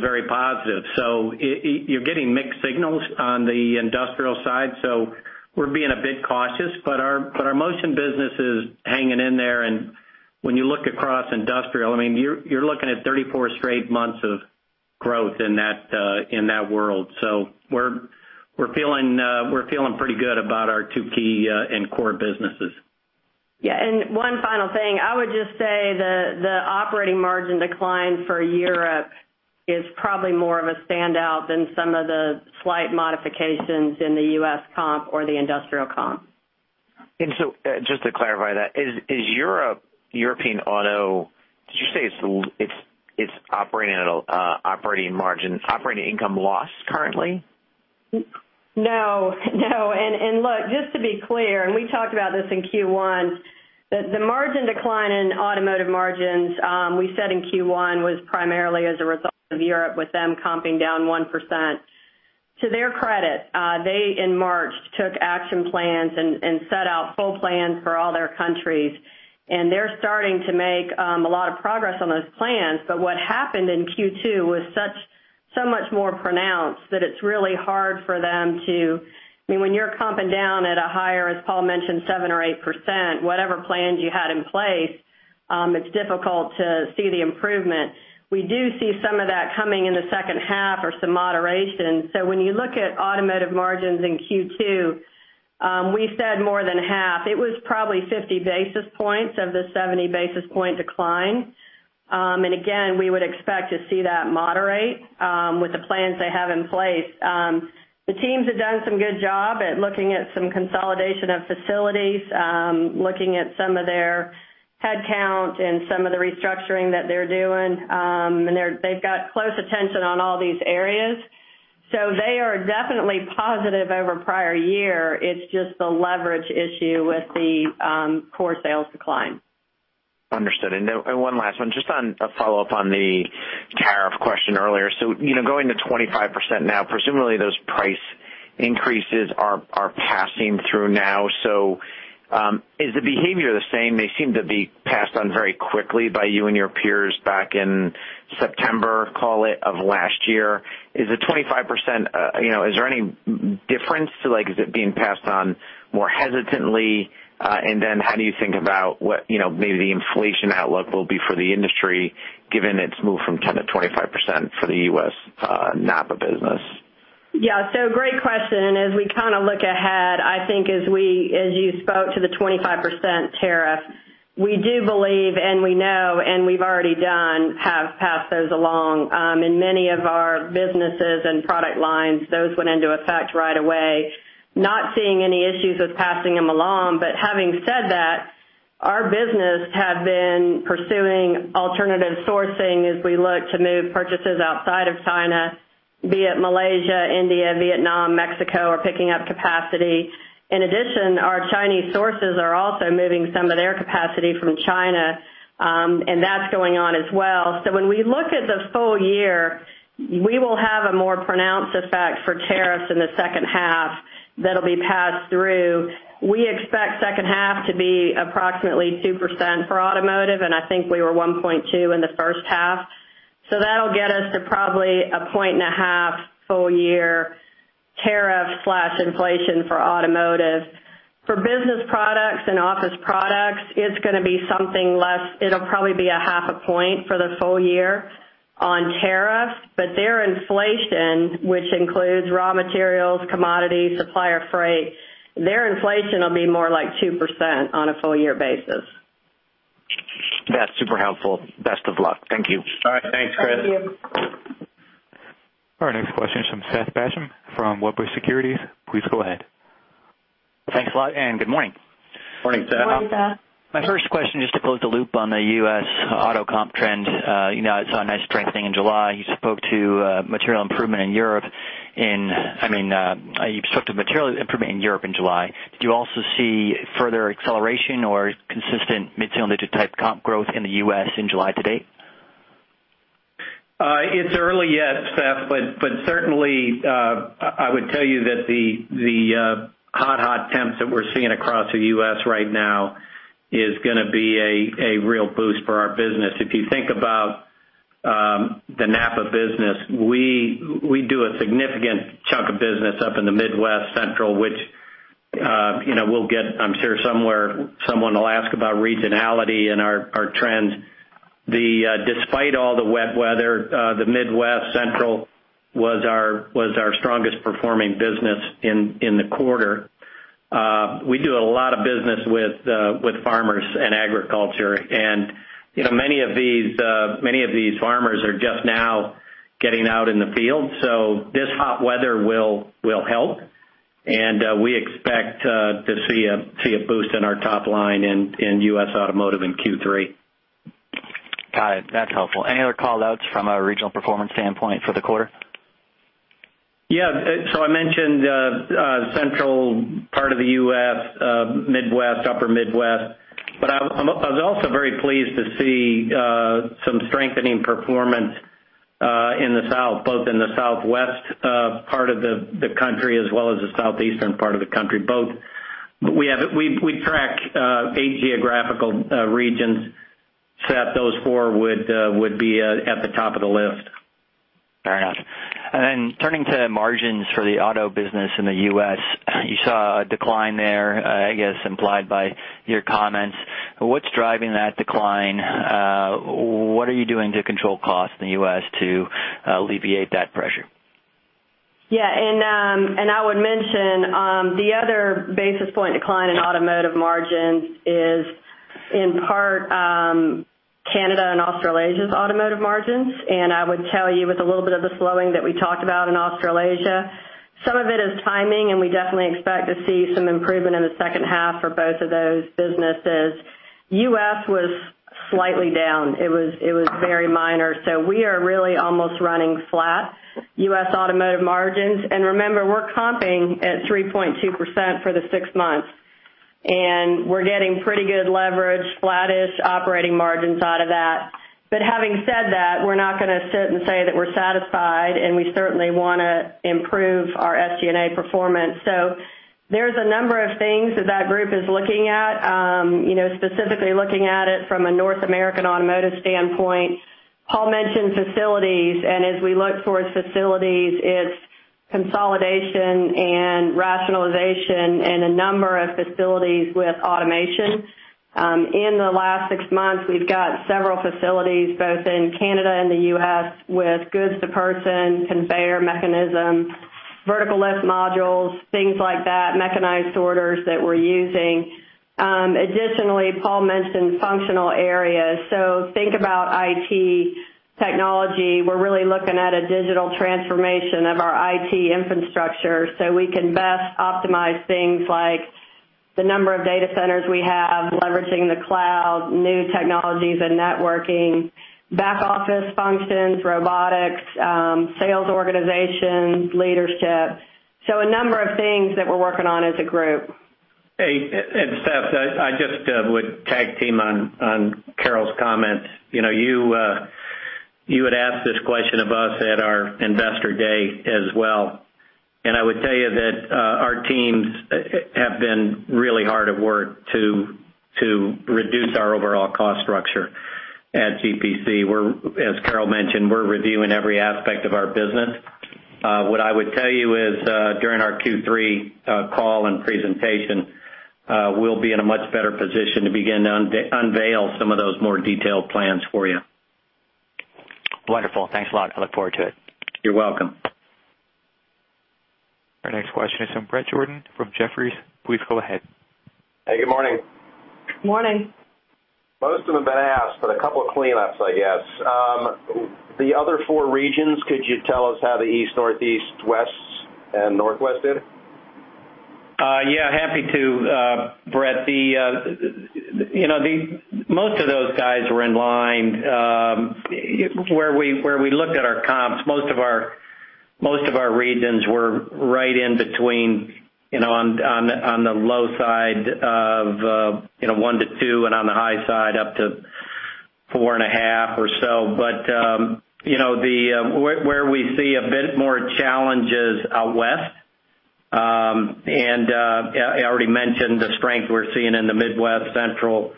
very positive. You're getting mixed signals on the industrial side. We're being a bit cautious, our Motion business is hanging in there. When you look across industrial, you're looking at 34 straight months of growth in that world. We're feeling pretty good about our two key and core businesses. Yeah. One final thing. I would just say the operating margin decline for Europe is probably more of a standout than some of the slight modifications in the U.S. comp or the industrial comp. Just to clarify that, is Europe, European auto, did you say it's operating margin, operating income loss currently? No. Look, just to be clear, and we talked about this in Q1, that the margin decline in automotive margins, we said in Q1 was primarily as a result of Europe, with them comping down 1%. To their credit, they, in March, took action plans and set out full plans for all their countries, and they're starting to make a lot of progress on those plans. What happened in Q2 was so much more pronounced that it's really hard for them to when you're comping down at a higher, as Paul mentioned, 7% or 8%, whatever plans you had in place, it's difficult to see the improvement. We do see some of that coming in the H2 or some moderation. When you look at automotive margins in Q2, we said more than half. It was probably 50 basis points of the 70 basis point decline. Again, we would expect to see that moderate with the plans they have in place. The teams have done some good job at looking at some consolidation of facilities, looking at some of their headcount and some of the restructuring that they're doing. They've got close attention on all these areas. So they are definitely positive over prior year. It's just the leverage issue with the core sales decline. Understood. One last one, just on a follow-up on the tariff question earlier. Going to 25% now, presumably those price increases are passing through now. Is the behavior the same? They seem to be passed on very quickly by you and your peers back in September, call it, of last year. Is it 25%? Is there any difference to like is it being passed on more hesitantly? Then how do you think about what maybe the inflation outlook will be for the industry given it's moved from 10% to 25% for the U.S. NAPA business? Yeah. Great question. As we kind of look ahead, I think as you spoke to the 25% tariff, we do believe and we know and we've already done, have passed those along in many of our businesses and product lines. Those went into effect right away. Not seeing any issues with passing them along. Having said that, our business have been pursuing alternative sourcing as we look to move purchases outside of China, be it Malaysia, India, Vietnam, Mexico are picking up capacity. In addition, our Chinese sources are also moving some of their capacity from China, and that's going on as well. When we look at the full year, we will have a more pronounced effect for tariffs in the H2 that'll be passed through. We expect H2 to be approximately 2% for automotive, and I think we were 1.2% in the H1. That'll get us to probably 1.5% full year tariff/inflation for automotive. For Business Products and office products, it's going to be something less. It'll probably be 0.5% for the full year on tariff, but their inflation, which includes raw materials, commodities, supplier freight, their inflation will be more like 2% on a full year basis. That's super helpful. Best of luck. Thank you. All right. Thanks, Chris. Thank you. Our next question is from Seth Basham from Wedbush Securities. Please go ahead. Thanks a lot, good morning. Morning, Seth. Morning, Seth. My first question, just to close the loop on the U.S. auto comp trend. I saw a nice strengthening in July. You spoke to material improvement in Europe in July. Do you also see further acceleration or consistent mid-single digit type comp growth in the U.S. in July to date? It's early yet, Seth, certainly, I would tell you that the hot temps that we're seeing across the U.S. right now is going to be a real boost for our business. If you think about the NAPA business. We do a significant chunk of business up in the Midwest, Central, which we'll get, I'm sure someone will ask about regionality and our trends. Despite all the wet weather, the Midwest, Central was our strongest performing business in the quarter. We do a lot of business with farmers and agriculture, and many of these farmers are just now getting out in the field. This hot weather will help, and we expect to see a boost in our top line in U.S. Automotive in Q3. Got it. That's helpful. Any other call-outs from a regional performance standpoint for the quarter? Yeah. I mentioned the central part of the U.S., Midwest, upper Midwest, I was also very pleased to see some strengthening performance in the South, both in the southwest part of the country as well as the southeastern part of the country. We track eight geographical regions, Seth, those four would be at the top of the list. Fair enough. Then turning to margins for the auto business in the U.S., you saw a decline there, I guess, implied by your comments. What's driving that decline? What are you doing to control costs in the U.S. to alleviate that pressure? Yeah. I would mention, the other basis point decline in automotive margins is, in part, Canada and Australasia's automotive margins. I would tell you with a little bit of the slowing that we talked about in Australasia, some of it is timing, and we definitely expect to see some improvement in the H2 for both of those businesses. U.S. was slightly down. It was very minor. We are really almost running flat U.S. automotive margins. Remember, we're comping at 3.2% for the six months, and we're getting pretty good leverage, flattish operating margins out of that. Having said that, we're not going to sit and say that we're satisfied, and we certainly want to improve our SG&A performance. There's a number of things that that group is looking at. Specifically looking at it from a North American automotive standpoint, Paul mentioned facilities. As we look towards facilities, it's consolidation and rationalization in a number of facilities with automation. In the last six months, we've got several facilities both in Canada and the U.S. with goods to person, conveyor mechanisms, vertical lift modules, things like that, mechanized sorters that we're using. Additionally, Paul mentioned functional areas. Think about IT technology. We're really looking at a digital transformation of our IT infrastructure so we can best optimize things like the number of data centers we have, leveraging the cloud, new technologies and networking, back office functions, robotics, sales organization, leadership. A number of things that we're working on as a group. Hey, Seth, I just would tag team on Carol's comments. You had asked this question of us at our investor day as well. I would tell you that our teams have been really hard at work to reduce our overall cost structure at GPC, where, as Carol mentioned, we're reviewing every aspect of our business. What I would tell you is, during our Q3 call and presentation, we'll be in a much better position to begin to unveil some of those more detailed plans for you. Wonderful. Thanks a lot. I look forward to it. You're welcome. Our next question is from Bret Jordan from Jefferies. Please go ahead. Hey, good morning. Morning. Most of them have been asked, a couple of cleanups, I guess. The other four regions, could you tell us how the East, Northeast, West, and Northwest did? Yeah, happy to, Bret. Most of those guys were in line. Where we looked at our comps, most of our regions were right in between on the low side of 1% to 2% and on the high side up to 4.5% or so. Where we see a bit more challenge is out West. I already mentioned the strength we're seeing in the Midwest, Central,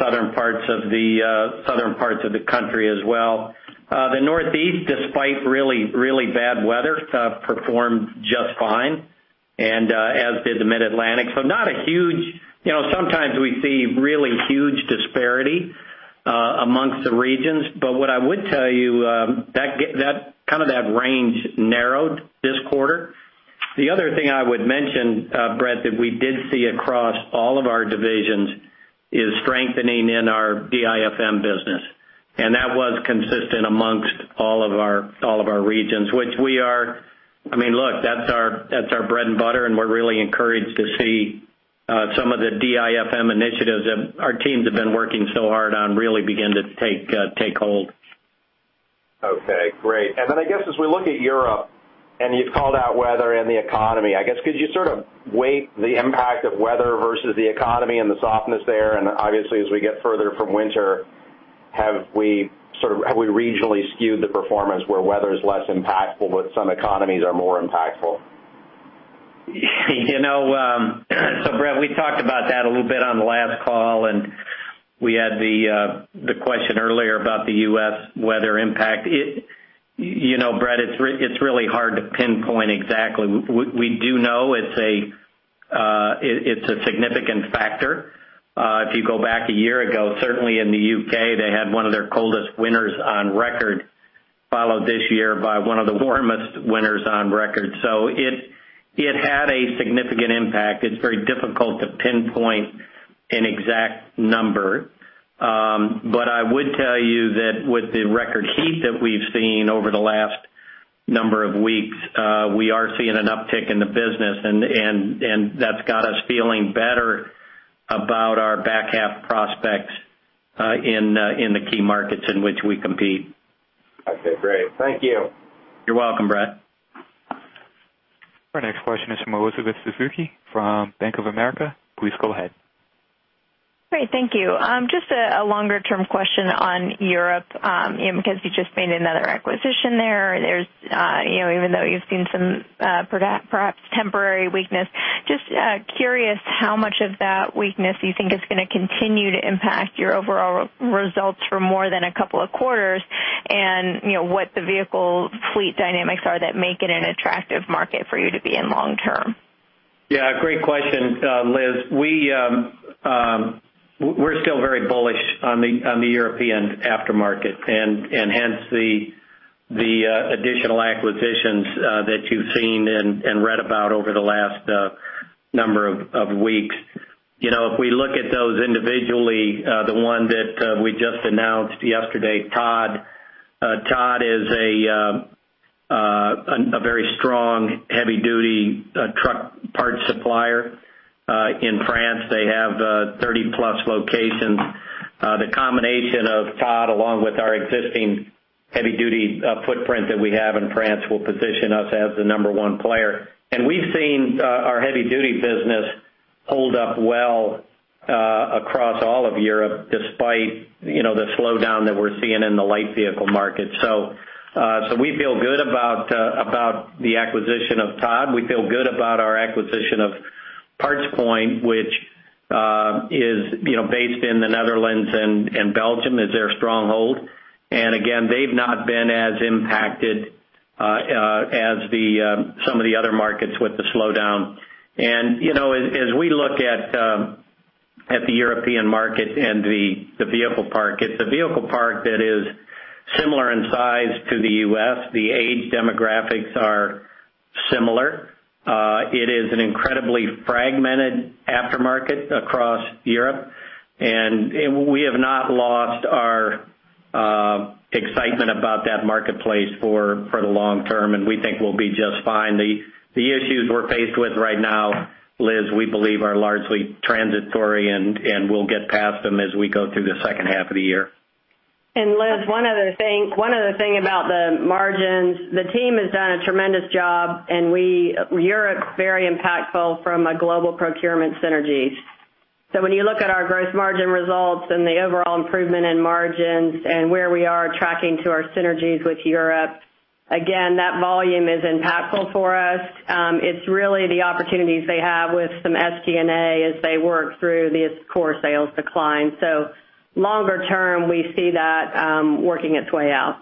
southern parts of the country as well. The Northeast, despite really bad weather, performed just fine, and as did the Mid-Atlantic. Sometimes we see really huge disparity amongst the regions, but what I would tell you, kind of that range narrowed this quarter. The other thing I would mention, Bret, that we did see across all of our divisions is strengthening in our DIFM business. That was consistent amongst all of our regions, which, look, that's our bread and butter, and we're really encouraged to see some of the DIFM initiatives that our teams have been working so hard on really begin to take hold. Okay, great. Then I guess as we look at Europe, you've called out weather and the economy, I guess, could you sort of weight the impact of weather versus the economy and the softness there? Obviously, as we get further from winter, have we regionally skewed the performance where weather is less impactful, but some economies are more impactful? Bret, we talked about that a little bit on the last call. We had the question earlier about the U.S. weather impact. Bret, it's really hard to pinpoint exactly. We do know it's a significant factor. If you go back a year ago, certainly in the U.K., they had one of their coldest winters on record, followed this year by one of the warmest winters on record. It had a significant impact. It's very difficult to pinpoint an exact number. But I would tell you that with the record heat that we've seen over the last number of weeks, we are seeing an uptick in the business, and that's got us feeling better about our back half prospects in the key markets in which we compete. Okay, great. Thank you. You're welcome, Bret. Our next question is from Elizabeth Suzuki from Bank of America. Please go ahead. Great. Thank you. Just a longer-term question on Europe, because you just made another acquisition there. Even though you've seen some perhaps temporary weakness, just curious how much of that weakness you think is going to continue to impact your overall results for more than a couple of quarters, and what the vehicle fleet dynamics are that make it an attractive market for you to be in long term. Great question, Elizabeth Suzuki. We're still very bullish on the European aftermarket, hence the additional acquisitions that you've seen and read about over the last number of weeks. If we look at those individually, the one that we just announced yesterday, TOD. TOD is a very strong heavy-duty truck parts supplier in France. They have 30-plus locations. The combination of TOD, along with our existing heavy-duty footprint that we have in France, will position us as the number one player. We've seen our heavy-duty business hold up well across all of Europe, despite the slowdown that we're seeing in the light vehicle market. We feel good about the acquisition of TOD. We feel good about our acquisition of PartsPoint, which is based in the Netherlands, and Belgium is their stronghold. Again, they've not been as impacted as some of the other markets with the slowdown. As we look at the European market and the vehicle park, it's a vehicle park that is similar in size to the U.S. The age demographics are similar. It is an incredibly fragmented aftermarket across Europe, we have not lost our excitement about that marketplace for the long term, we think we'll be just fine. The issues we're faced with right now, Liz we believe are largely transitory, we'll get past them as we go through the H2 of the year. Liz, one other thing about the margins. The team has done a tremendous job, Europe's very impactful from a global procurement synergies. When you look at our gross margin results the overall improvement in margins and where we are tracking to our synergies with Europe, again, that volume is impactful for us. It's really the opportunities they have with some SD&A as they work through these core sales declines. Longer term, we see that working its way out.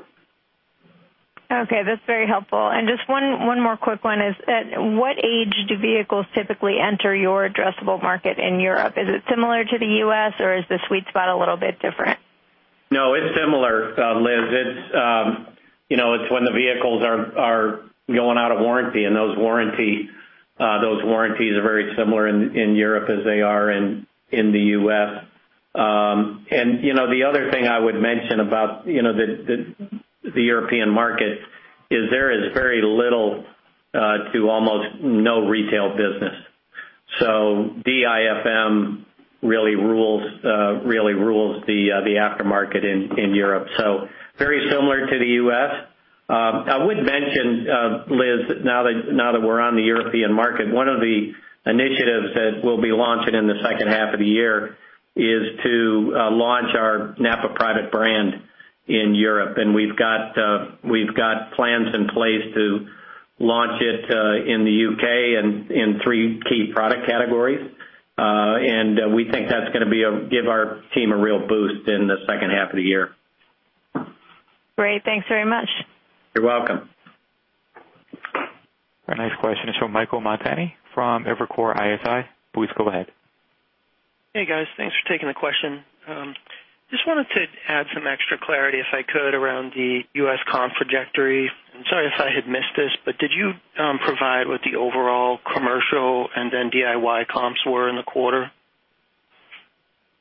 Okay. That's very helpful. Just one more quick one is, at what age do vehicles typically enter your addressable market in Europe? Is it similar to the U.S., or is the sweet spot a little bit different? No, it's similar, Elizabeth. It's when the vehicles are going out of warranty, and those warranties are very similar in Europe as they are in the U.S. The other thing I would mention about the European market is there is very little to almost no retail business. DIFM really rules the aftermarket in Europe. Very similar to the U.S. I would mention, Elizabeth, now that we're on the European market, one of the initiatives that we'll be launching in the H2 of the year is to launch our NAPA private brand in Europe, and we've got plans in place to launch it in the U.K. and in three key product categories. We think that's going to give our team a real boost in the H2 of the year. Great. Thanks very much. You're welcome. Our next question is from Michael Montani from Evercore ISI. Please go ahead. Hey, guys. Thanks for taking the question. Wanted to add some extra clarity, if I could, around the U.S. comp trajectory. I'm sorry if I had missed this, did you provide what the overall commercial and then DIY comps were in the quarter?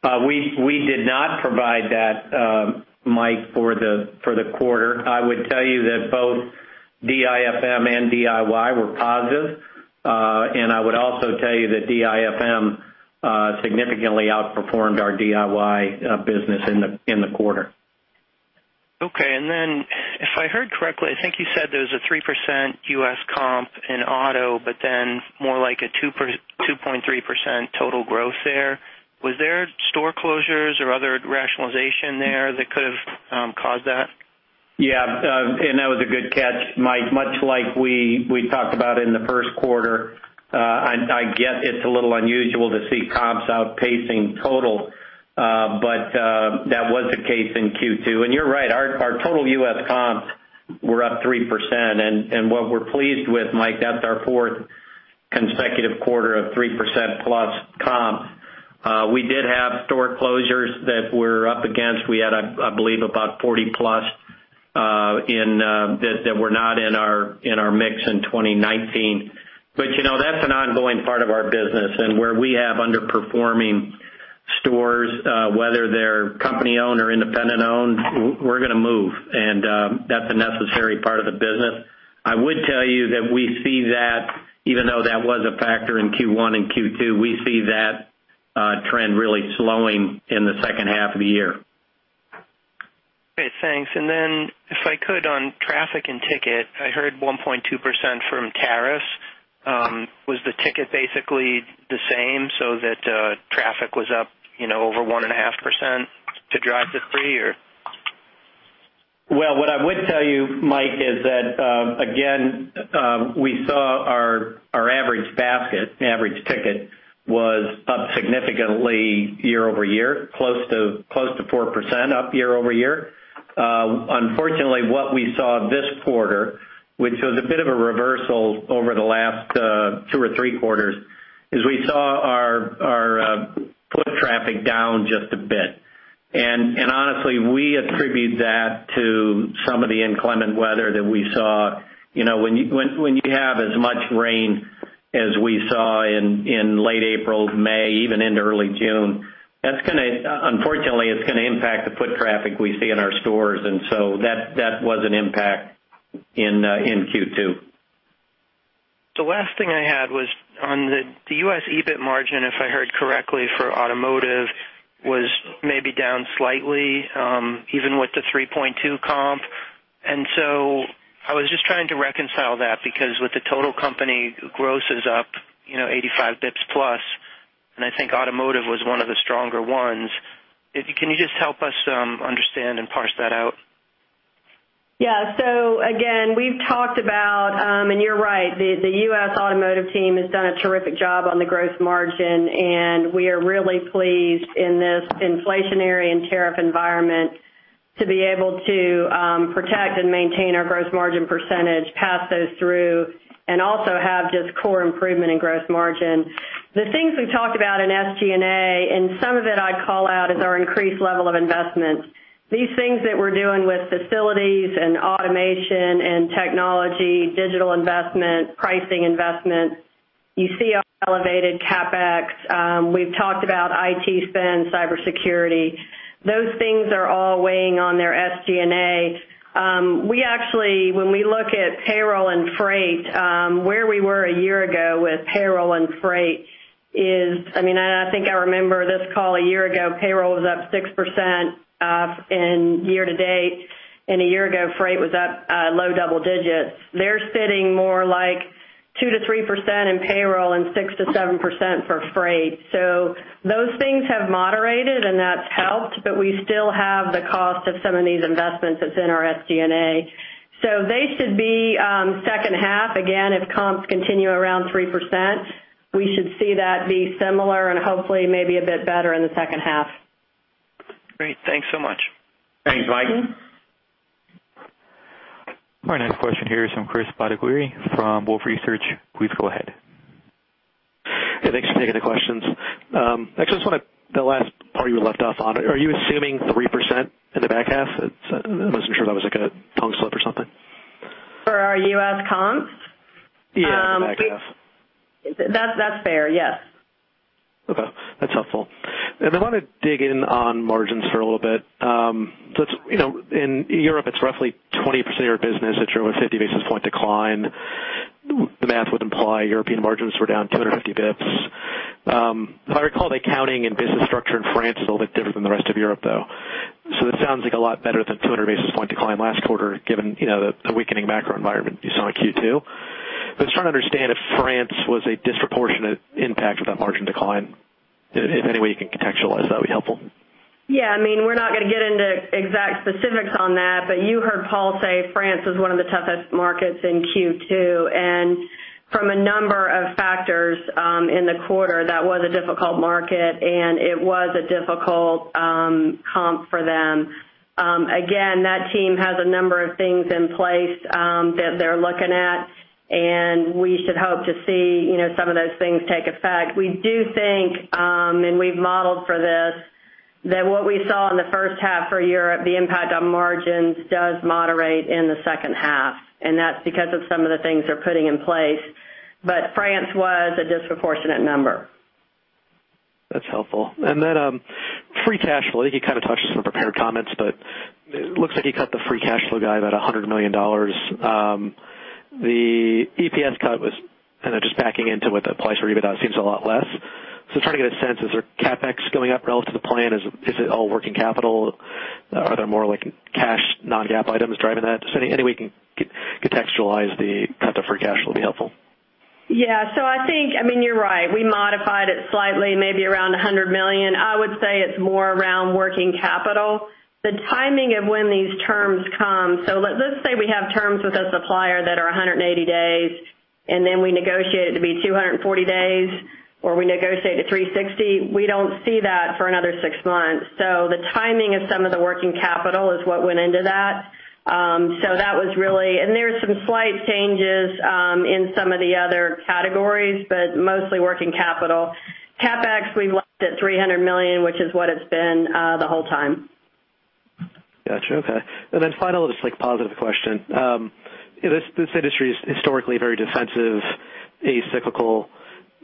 We did not provide that, Michael, for the quarter. I would tell you that both DIFM and DIY were positive. I would also tell you that DIFM significantly outperformed our DIY business in the quarter. Okay. If I heard correctly, I think you said there's a 3% U.S. comp in auto, but then more like a 2.3% total growth there. Was there store closures or other rationalization there that could have caused that? Yeah. That was a good catch, Michael Much like we talked about in the Q1, I get it's a little unusual to see comps outpacing total, but that was the case in Q2. You're right, our total U.S. comps were up 3%. What we're pleased with, Michael, that's our fourth consecutive quarter of 3% plus comps. We did have store closures that were up against. We had, I believe, about 40 plus that were not in our mix in 2019. That's an ongoing part of our business. Where we have underperforming stores, whether they're company-owned or independent-owned, we're going to move. That's a necessary part of the business. I would tell you that even though that was a factor in Q1 and Q2, we see that trend really slowing in the H2 of the year. Great. Thanks. If I could, on traffic and ticket, I heard 1.2% from tariffs. Was the ticket basically the same so that traffic was up over 1.5% to drive to 3 or? Well, what I would tell you, Michael, is that, again, we saw our average basket, average ticket was up significantly year-over-year, close to 4% up year-over-year. Unfortunately, what we saw this quarter, which was a bit of a reversal over the last two or three quarters, is we saw our foot traffic down just a bit. Honestly, we attribute that to some of the inclement weather that we saw. When you have as much rain as we saw in late April, May, even into early June, unfortunately, it's going to impact the foot traffic we see in our stores. So that was an impact in Q2. The last thing I had was on the U.S. EBIT margin, if I heard correctly, for automotive, was maybe down slightly, even with the 3.2 comp. So I was just trying to reconcile that because with the total company, gross is up 85 basis points plus, and I think automotive was one of the stronger ones. Can you just help us understand and parse that out? Yeah. Again, we've talked about, and you're right, the U.S. automotive team has done a terrific job on the growth margin, and we are really pleased in this inflationary and tariff environment to be able to protect and maintain our gross margin percentage, pass those through, and also have just core improvement in gross margin. The things we talked about in SG&A, and some of it I'd call out, is our increased level of investment. These things that we're doing with facilities and automation and technology, digital investment, pricing investment. You see our elevated CapEx. We've talked about IT spend, cybersecurity. Those things are all weighing on their SG&A. We actually, when we look at payroll and freight, where we were a year ago with payroll and freight is, I think I remember this call a year ago, payroll was up 6% in year-to-date, a year ago, freight was up low-double-digits. They're sitting more like 2%-3% in payroll and 6%-7% for freight. Those things have moderated and that's helped, but we still have the cost of some of these investments that's in our SG&A. They should be H2. Again, if comps continue around 3%, we should see that be similar and hopefully maybe a bit better in the H2. Great. Thanks so much. Thanks, Michael. Our next question here is from Chris Bottiglieri from Wolfe Research. Please go ahead. Hey, thanks for taking the questions. I just want to, the last part you left off on, are you assuming 3% in the back half? I wasn't sure if that was like a tongue slip or something. For our US. Comps? Yeah, the back half. That's fair. Yes. Okay, that's helpful. I want to dig in on margins for a little bit. In Europe, it's roughly 20% of your business that you're a 50 basis point decline. The math would imply European margins were down 250 basis points. If I recall, the accounting and business structure in France is a little bit different than the rest of Europe, though. It sounds like a lot better than 200 basis point decline last quarter, given the weakening macro environment you saw in Q2. I'm trying to understand if France was a disproportionate impact of that margin decline. If any way you can contextualize, that would be helpful. Yeah, we're not going to get into exact specifics on that. You heard Paul say France was one of the toughest markets in Q2. From a number of factors in the quarter, that was a difficult market and it was a difficult comp for them. Again, that team has a number of things in place that they're looking at, and we should hope to see some of those things take effect. We do think, and we've modeled for this, that what we saw in the H1 for Europe, the impact on margins does moderate in the H2, and that's because of some of the things they're putting in place. France was a disproportionate number. That's helpful. Then free cash flow, you kind of touched this in prepared comments, but looks like you cut the free cash flow guide about $100 million. The EPS cut was just backing into what the price or EBITDA seems a lot less. I'm trying to get a sense, is their CapEx going up relative to the plan? Is it all working capital? Are there more like cash non-GAAP items driving that? Any way you can contextualize the cut to free cash will be helpful. Yeah. I think you're right. We modified it slightly, maybe around $100 million. I would say it's more around working capital. The timing of when these terms come. Let's say we have terms with a supplier that are 180 days, then we negotiate it to be 240 days, or we negotiate to 360. We don't see that for another six months. The timing of some of the working capital is what went into that. There's some slight changes in some of the other categories, but mostly working capital. CapEx, we left at $300 million, which is what it's been the whole time. Got you. Okay. Final, just positive question. This industry is historically very defensive, acyclical.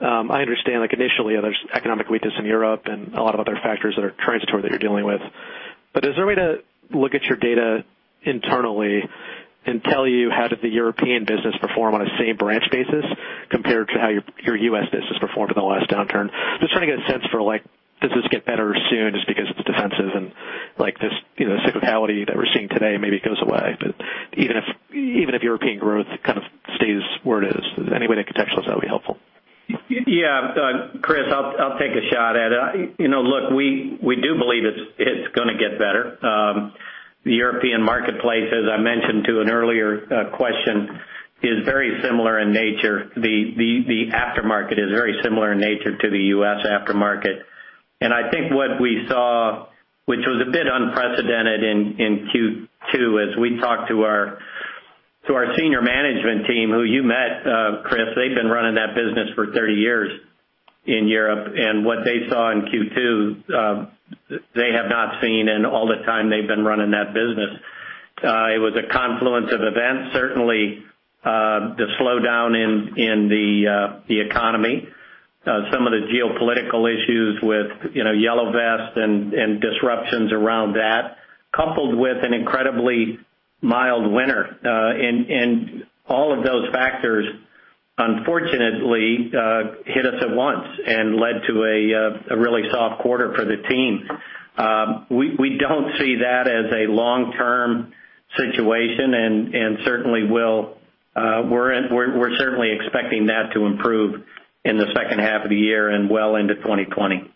I understand initially there's economic weakness in Europe and a lot of other factors that are transitory that you're dealing with. Is there a way to look at your data internally and tell you how did the European business perform on a same branch basis compared to how your U.S. business performed in the last downturn? Just trying to get a sense for does this get better soon just because it's defensive and this cyclicality that we're seeing today maybe goes away. Even if European growth kind of stays where it is, any way to contextualize that would be helpful. Yeah. Chris, I'll take a shot at it. Look, we do believe it's going to get better. The European marketplace, as I mentioned to an earlier question, the aftermarket is very similar in nature to the U.S. aftermarket. I think what we saw, which was a bit unprecedented in Q2, as we talked to our senior management team who you met Chris, they've been running that business for 30 years in Europe, and what they saw in Q2, they have not seen in all the time they've been running that business. It was a confluence of events, certainly, the slowdown in the economy, some of the geopolitical issues with yellow vest and disruptions around that, coupled with an incredibly mild winter. All of those factors unfortunately hit us at once and led to a really soft quarter for the team. We don't see that as a long-term situation, and we're certainly expecting that to improve in the H2 of the year and well into 2020.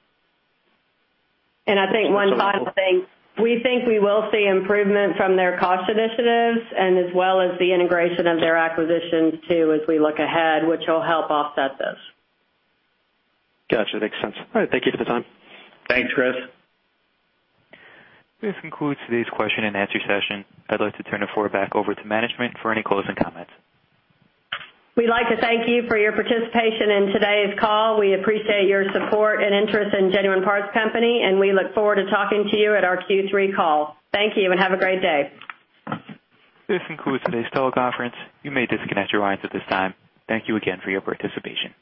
I think one final thing. We think we will see improvement from their cost initiatives and as well as the integration of their acquisitions too as we look ahead, which will help offset this. Got you. Makes sense. All right. Thank you for the time. Thanks, Chris. This concludes today's question and answer session. I'd like to turn the floor back over to management for any closing comments. We'd like to thank you for your participation in today's call. We appreciate your support and interest in Genuine Parts Company, and we look forward to talking to you at our Q3 call. Thank you and have a great day. This concludes today's teleconference. You may disconnect your lines at this time. Thank you again for your participation.